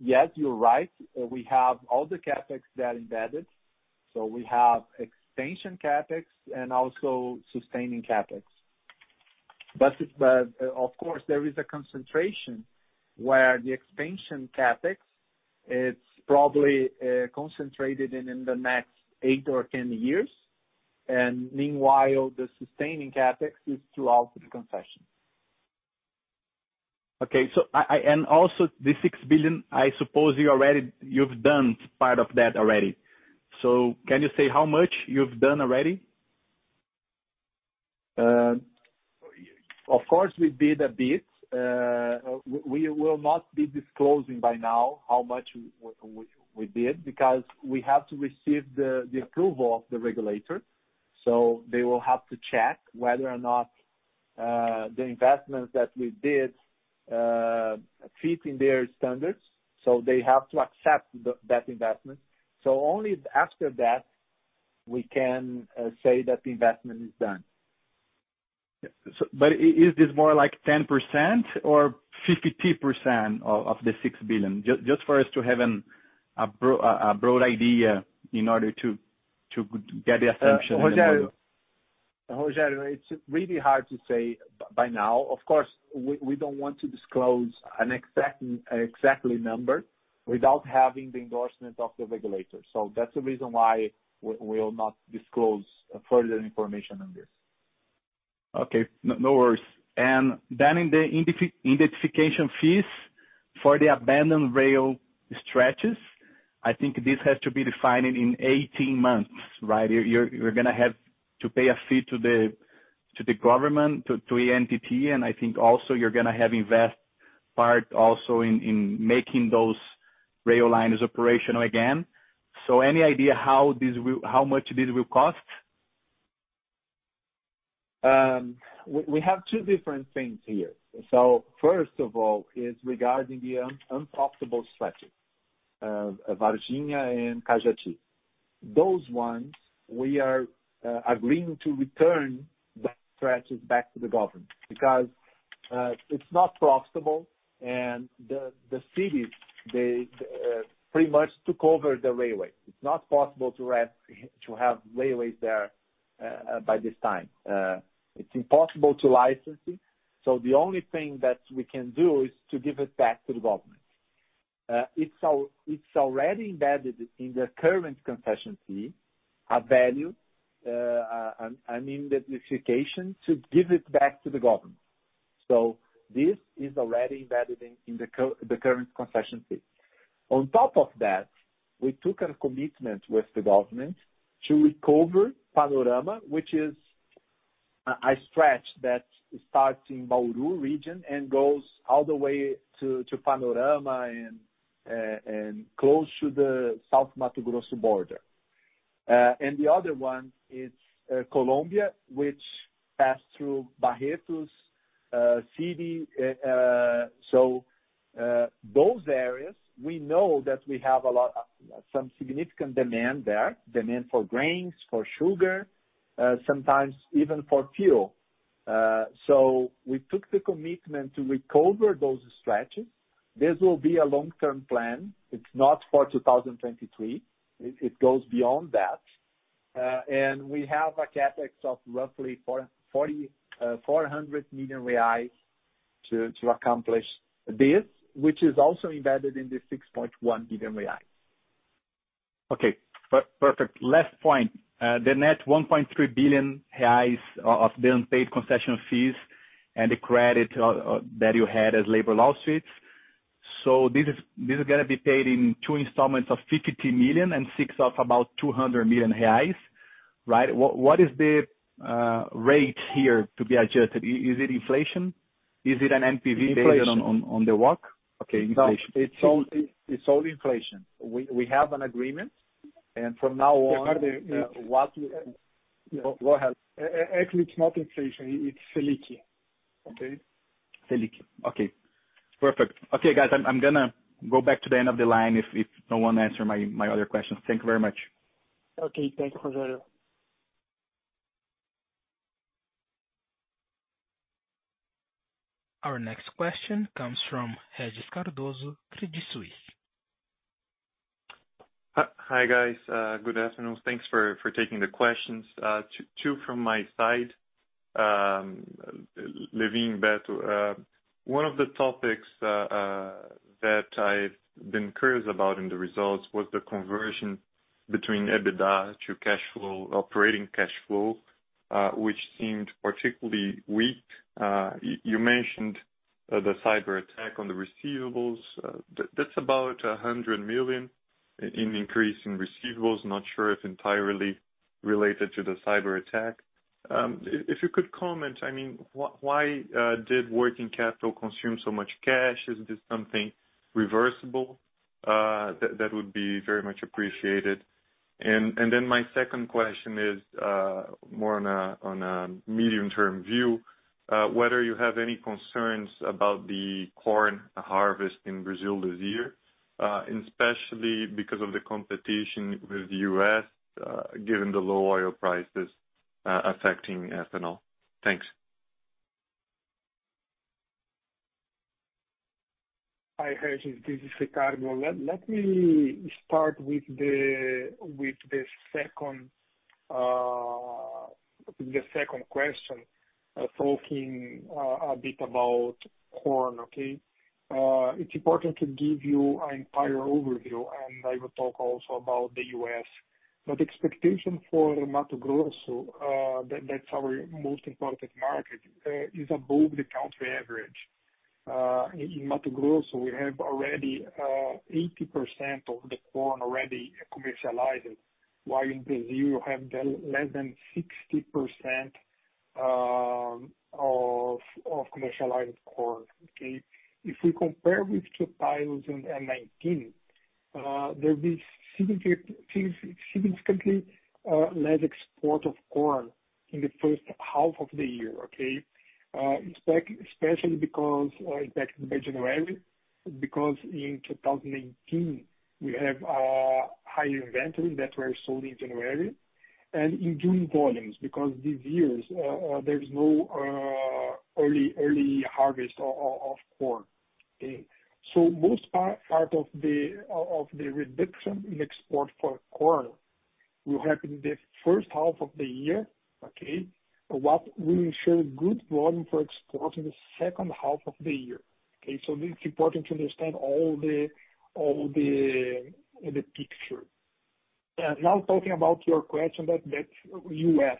Yes, you're right. We have all the CapEx there embedded. We have expansion CapEx and also sustaining CapEx. Of course, there is a concentration where the expansion CapEx, it's probably concentrated in the next eight or 10 years. Meanwhile, the sustaining CapEx is throughout the concession. Okay. Also, the 6 billion, I suppose you've done part of that already. Can you say how much you've done already? Of course, we did a bit. We will not be disclosing by now how much we did because we have to receive the approval of the regulator. They will have to check whether or not the investments that we did fit in their standards. They have to accept that investment. Only after that, we can say that the investment is done. Is this more like 10% or 50% of the 6 billion? Just for us to have a broad idea in order to get the assumption. Rogério, it's really hard to say by now. Of course, we don't want to disclose an exact number without having the endorsement of the regulator. That's the reason why we will not disclose further information on this. Okay. No worries. In the indemnification fees for the abandoned rail stretches, I think this has to be defined in 18 months, right? You're going to have to pay a fee to the government, to ANTT, and I think also you're going to have invest part also in making those rail lines operational again. Any idea how much this will cost? We have two different things here. First of all is regarding the unprofitable stretches, Varginha and Cajati. Those ones, we are agreeing to return the stretches back to the government because it's not profitable, and the cities, they pretty much took over the railway. It's not possible to have railways there by this time. It's impossible to license it. The only thing that we can do is to give it back to the government. It's already embedded in the current concession fee, a value, an indemnification to give it back to the government. This is already embedded in the current concession fee. On top of that, we took a commitment with the government to recover Panorama, which is a stretch that starts in Bauru region and goes all the way to Panorama and close to the south Mato Grosso border. The other one is Colombia, which passed through Barretos city. Those areas, we know that we have some significant demand there, demand for grains, for sugar, sometimes even for fuel. We took the commitment to recover those stretches. This will be a long-term plan. It's not for 2023. It goes beyond that. We have a CapEx of roughly 400 million reais to accomplish this, which is also embedded in the 6.1 billion reais. Okay. Perfect. Last point. The net 1.3 billion reais of the unpaid concession fees and the credit that you had as labor lawsuits. This is going to be paid in two installments of 50 million and six of about 200 million reais. Right? What is the rate here to be adjusted? Is it inflation? Is it an NPV based? Inflation On the WACC? Okay, inflation. It's all inflation. We have an agreement, and from now on. Ricardo Go ahead. Actually, it's not inflation; it's Selic. Okay? Selic. Okay. Perfect. Okay, guys, I'm going to go back to the end of the line if no one answers my other questions. Thank you very much. Okay. Thank you, Rogério. Our next question comes from Regis Cardoso, Credit Suisse. Hi, guys. Good afternoon. Thanks for taking the questions. Two from my side. Lewin, Beto, one of the topics that I've been curious about in the results was the conversion between EBITDA to operating cash flow, which seemed particularly weak. You mentioned the cyber attack on the receivables. That's about 100 million in increase in receivables; not sure if entirely related to the cyberattack. If you could comment, why did working capital consume so much cash? Is this something reversible? That would be very much appreciated. My second question is more on a medium-term view, whether you have any concerns about the corn harvest in Brazil this year, especially because of the competition with the U.S., given the low oil prices affecting ethanol. Thanks. Hi, Regis. This is Ricardo. Let me start with the second question, talking a bit about corn. Okay? It's important to give you an entire overview, and I will talk also about the U.S. Expectation for Mato Grosso; that's our most important market, is above the country average. In Mato Grosso, we have 80% of the corn already commercialized, while in Brazil, you have less than 60% of commercialized corn. Okay? If we compare with 2019, there'll be significantly less export of corn in the first half of the year, okay? Especially because impacted by January, because in 2019, we have a higher inventory that were sold in January and in June volumes, because this year, there is no early harvest of corn. Okay? Most part of the reduction in exports for corn will happen in the first half of the year, okay, but we will show good volume for export in the second half of the year. Okay. It's important to understand all the picture. Talking about your question, that's U.S.,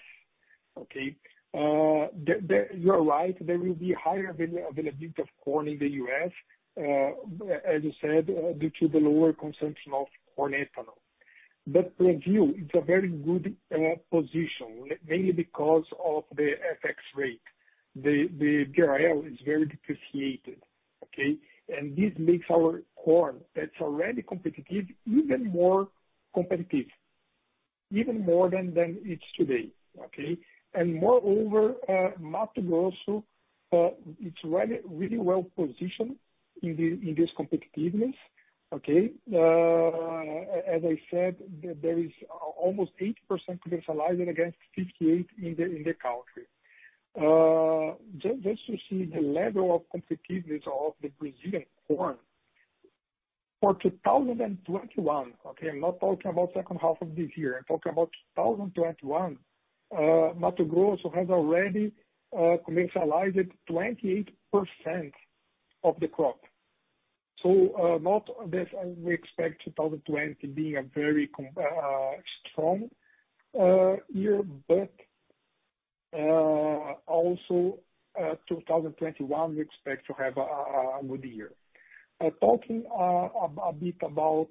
okay. You're right, there will be higher availability of corn in the U.S., as you said, due to the lower consumption of corn ethanol. For you, it's a very good position, mainly because of the FX rate. The BRL is very depreciated, okay. This makes our corn, that's already competitive, even more competitive, even more than it is today, okay? Moreover, Mato Grosso, it's really well-positioned in this competitiveness, okay? As I said, there is almost 80% commercialized against 58% in the country. Just to see the level of competitiveness of the Brazilian corn for 2021, okay? I'm not talking about the second half of this year; I'm talking about 2021. Mato Grosso has already commercialized 28% of the crop. Not that we expect 2020 to be a very strong year, but also 2021; we expect to have a good year. Talking a bit about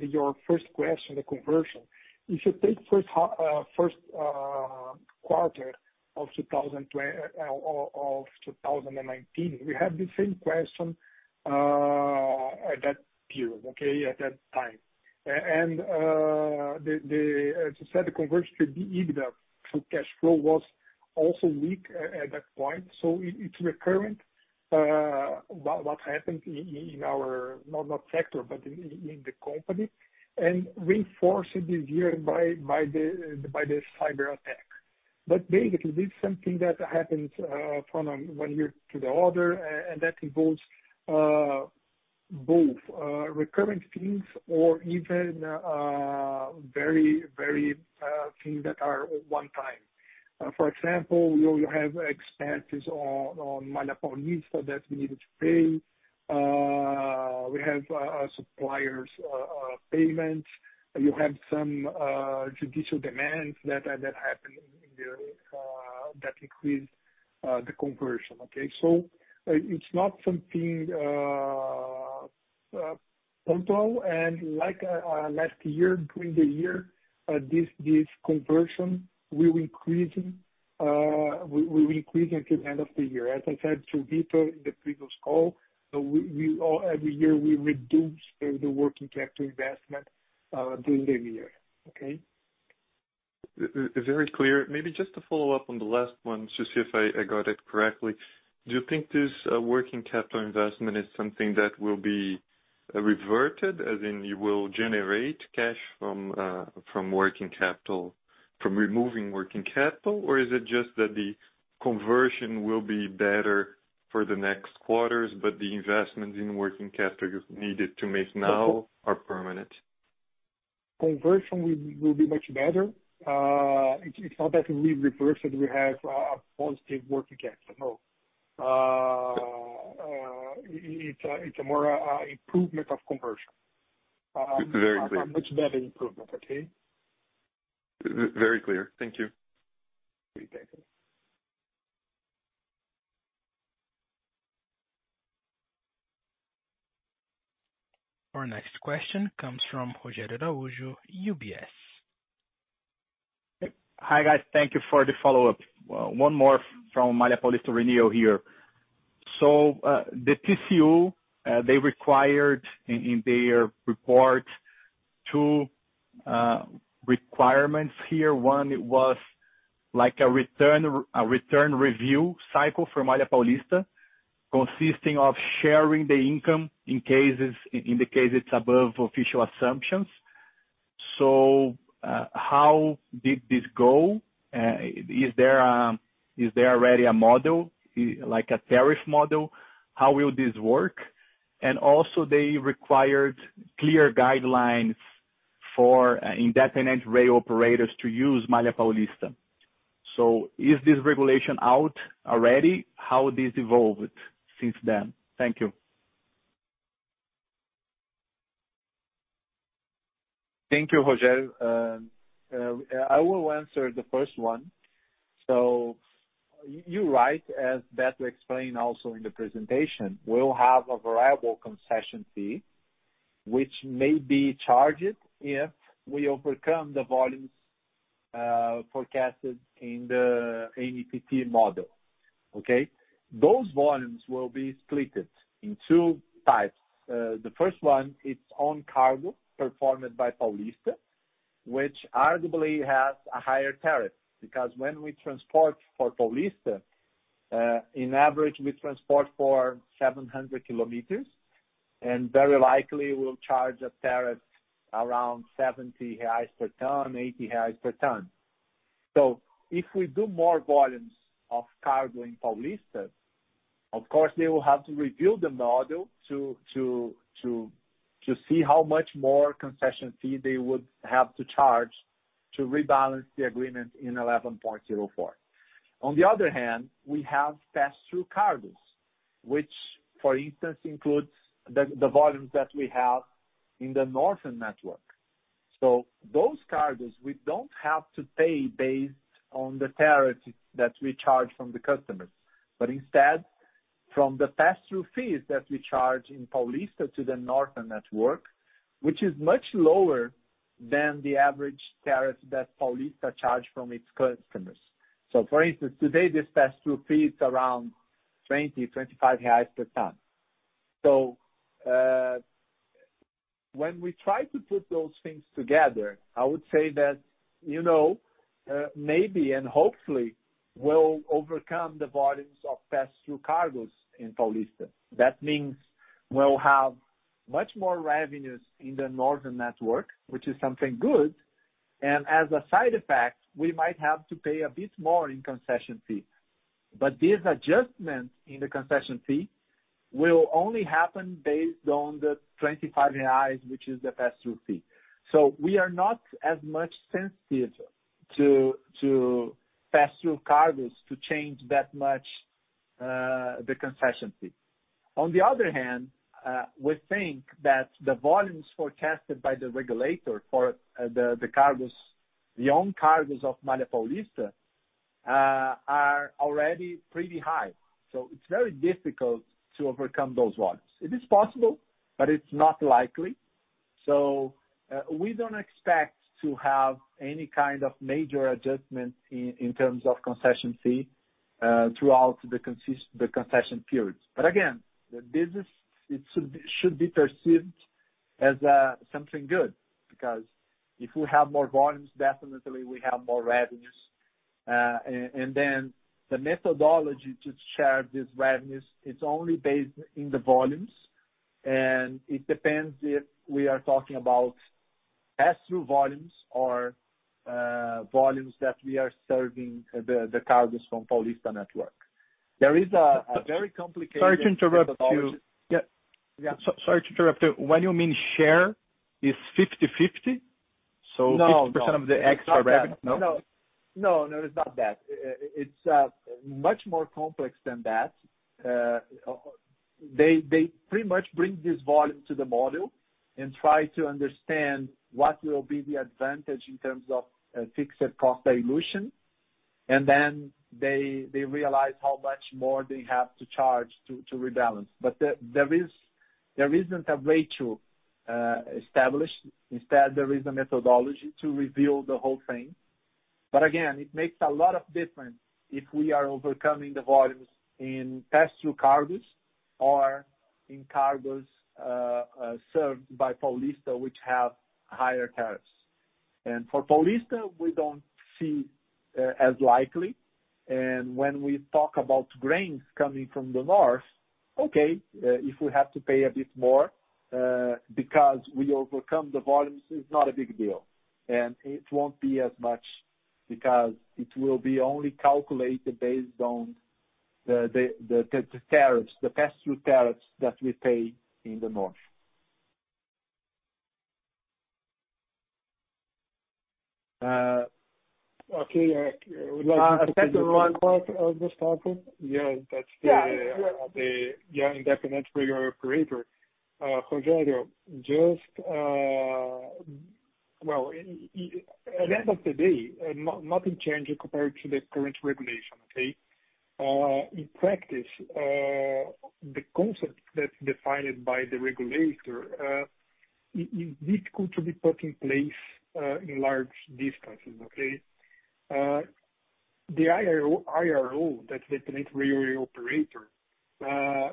your first question, the conversion. If you take the first quarter of 2019, we had the same question at that period, okay, at that time. As I said, the conversion EBITDA to cash flow was also weak at that point, so it's recurrent what happened in our not sector but in the company, and reinforced this year by the cyberattack. Basically, this is something that happens from one year to the other, and that involves both recurrent things or even very things that are one-time. For example, you have expenses on Malha Paulista that we needed to pay. We have suppliers' payments. You have some judicial demands that happen that increase the conversion, okay? It's not something total, and like last year, during the year, this conversion will increase until the end of the year. As I said to Pedro in the previous call, every year we reduce the working capital investment during the year. Okay? Very clear. Maybe just to follow up on the last one, just to see if I got it correctly. Do you think this working capital investment is something that will be reverted, as in you will generate cash from removing working capital? Or is it just that the conversion will be better for the next quarters, but the investments in working capital you've needed to make now are permanent? Conversion will be much better. It's not that we've reverted; we have a positive working capital. No. It's a more improvement of conversion. Very clear. A much better improvement, okay? Very clear. Thank you. Okay. Thank you. Our next question comes from Rogério Araújo, UBS. Hi, guys. Thank you for the follow-up. One more from Malha Paulista here. The TCU, they required in their report two requirements here. One was a return review cycle from Malha Paulista, consisting of sharing the income in the cases above official assumptions. How did this go? Is there already a model, a tariff model? How will this work? Also, they required clear guidelines for independent rail operators to use Malha Paulista. Is this regulation out already? How this evolved since then? Thank you. Thank you, Rogério. I will answer the first one. You're right; as Beto explained also in the presentation, we'll have a variable concession fee, which may be charged if we overcome the volumes forecasted in the ANTT model. Okay. Those volumes will be split in two types. The first one, its own cargo performed by Paulista, which arguably has a higher tariff. Because when we transport for Paulista, in average, we transport for 700 kilometers, and very likely we'll charge a tariff around 70 reais per ton, 80 reais per ton. If we do more volumes of cargo in Paulista, of course, they will have to rebuild the model to see how much more concession fee they would have to charge to rebalance the agreement in 11404. On the other hand, we have pass-through cargoes, which, for instance, include the volumes that we have in the North Network. Those cargoes, we don't have to pay based on the tariff that we charge from the customers, but instead, from the pass-through fees that we charge in Paulista to the North Network, which is much lower than the average tariff that Paulista charges from its customers. For instance, today, this pass-through fee is around 20, 25 reais per ton. When we try to put those things together, I would say that, maybe and hopefully, we'll overcome the volumes of pass-through cargoes in Paulista. That means we'll have much more revenue in the North Network, which is something good. As a side effect, we might have to pay a bit more in concession fees. This adjustment in the concession fee will only happen based on the 25 reais, which is the pass-through fee. We are not as much sensitive to pass-through cargoes to change that much the concession fee. On the other hand, we think that the volumes forecasted by the regulator for the own cargoes of Malha Paulista are already pretty high. It's very difficult to overcome those volumes. It is possible, but it's not likely. We don't expect to have any kind of major adjustments in terms of concession fee throughout the concession periods. Again, this should be perceived as something good, because if we have more volumes, definitely we have more revenues. Then the methodology to share these revenues, it's only based in the volumes, and it depends if we are talking about pass-through volumes or volumes that we are serving the cargoes from Paulista network. There is a very complicated- Sorry to interrupt you. Yeah. Sorry to interrupt you. When you mean share, it's 50/50? No. 50% of the extra revenue? No. No. No, it's not that. It's much more complex than that. They pretty much bring this volume to the model and try to understand what will be the advantage in terms of fixed cost dilution, and then they realize how much more they have to charge to rebalance. There isn't a way to establish it. Instead, there is a methodology to rebuild the whole thing. Again, it makes a lot of difference if we are overcoming the volumes in pass-through cargoes or in cargoes served by Paulista, which have higher tariffs. For Paulista, we don't see as likely. When we talk about grains coming from the North, okay, if we have to pay a bit more because we overcome the volumes, it's not a big deal. It won't be as much because it will be only calculated based on the tariffs, the pass-through tariffs that we pay in the North. Okay. Would you like me to take the part of Gustavo? Yeah. Yeah, that's the independent railway operator. Rogério, at the end of the day, nothing changes compared to the current regulation, okay? In practice, the concept that's defined by the regulator is difficult to be put in place in large distances. Okay? The IRO, that's Independent Railway Operator,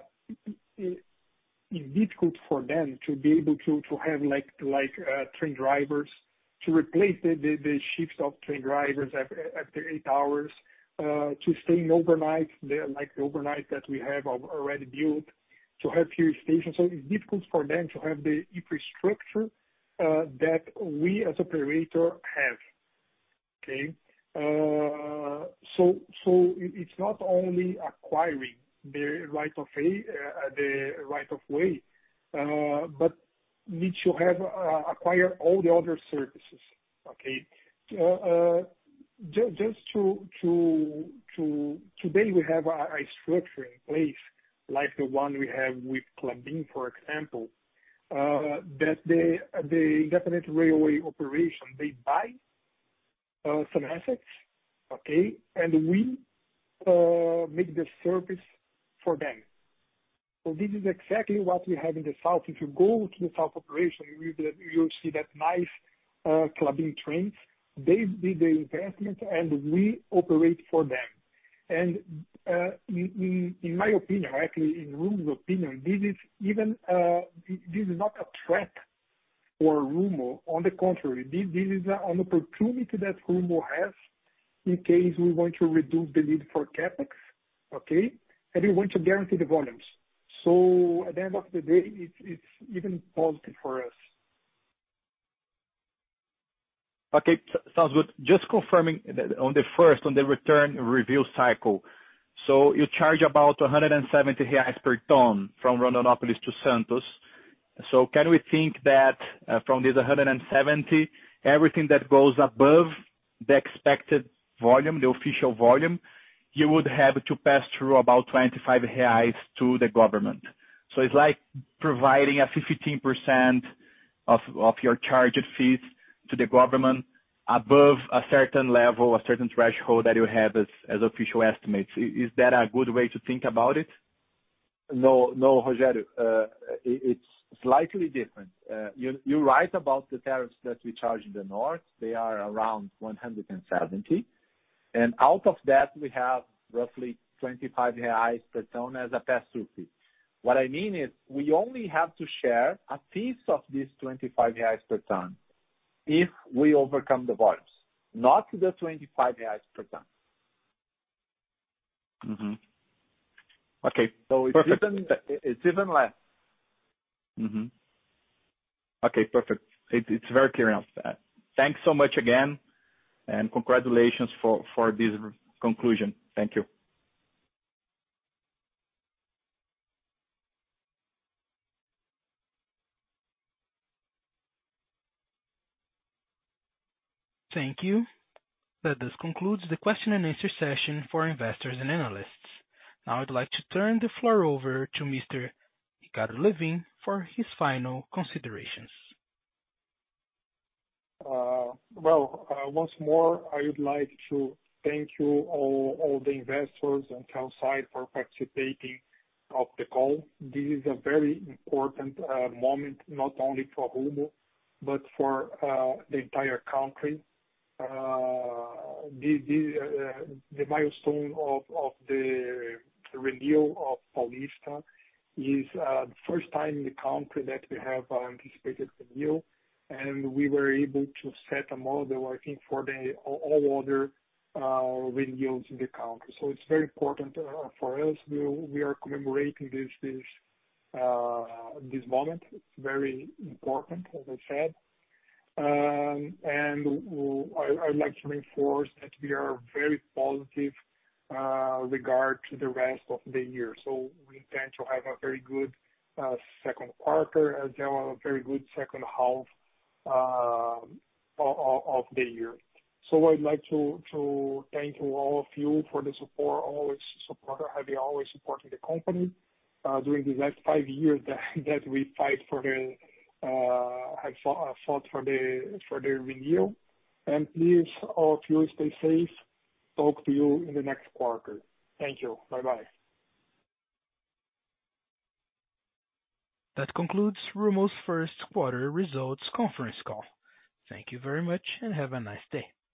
it's difficult for them to be able to have train drivers to replace the shifts of train drivers after eight hours, to stay overnight, like the overnight that we have already built, to have few stations. It's difficult for them to have the infrastructure that we as operator have. Okay? It's not only acquiring the right of way, but need to acquire all the other services, okay? Today, we have a structure in place, like the one we have with Klabin, for example, that the independent railway operation; they buy some assets, okay? We make the service for them. This is exactly what we have in the South. If you go to the South operation, you'll see that nice Klabin trains. They did the investment, and we operate for them. In my opinion, actually, in Rumo's opinion, this is not a threat for Rumo. On the contrary, this is an opportunity that Rumo has in case we want to reduce the need for CapEx. We want to guarantee the volumes. At the end of the day, it's even positive for us. Okay. Sounds good. Just confirming on the first on the return review cycle. You charge about 170 reais per ton from Rondonópolis to Santos. Can we think that from this 170, everything that goes above the expected volume, the official volume, you would have to pass through about 25 reais to the government? It's like providing a 15% of your charged fees to the government above a certain level, a certain threshold that you have as official estimates. Is that a good way to think about it? No, Rogério. It is slightly different. You are right about the tariffs that we charge in the north. They are around 170. Out of that, we have roughly 25 reais per ton as a pass-through fee. What I mean is we only have to share a piece of these 25 reais per ton if we overcome the volumes, not the 25 reais per ton. Okay. Perfect. It's even less. Okay, perfect. It's very clear now. Thanks so much again. Congratulations for this conclusion. Thank you. Thank you. That does conclude the question and answer session for investors and analysts. I'd like to turn the floor over to Mr. Ricardo Lewin for his final considerations. Well, once more, I would like to thank you all, the investors and outside for participating of the call. This is a very important moment, not only for Rumo but for the entire country. The milestone of the renewal of Paulista is the first time in the country that we have anticipated renewal, and we were able to set a model, I think, for all other renewals in the country. It's very important for us. We are commemorating this moment. It's very important, as I said. I'd like to reinforce that we are very positive regard to the rest of the year. We intend to have a very good second quarter, as well as a very good second half of the year. I'd like to thank all of you for the support, having always supported the company during these last five years that we fought for the renewal. Please, all of you, stay safe. Talk to you in the next quarter. Thank you. Bye-bye. That concludes Rumo's first quarter results conference call. Thank you very much, and have a nice day.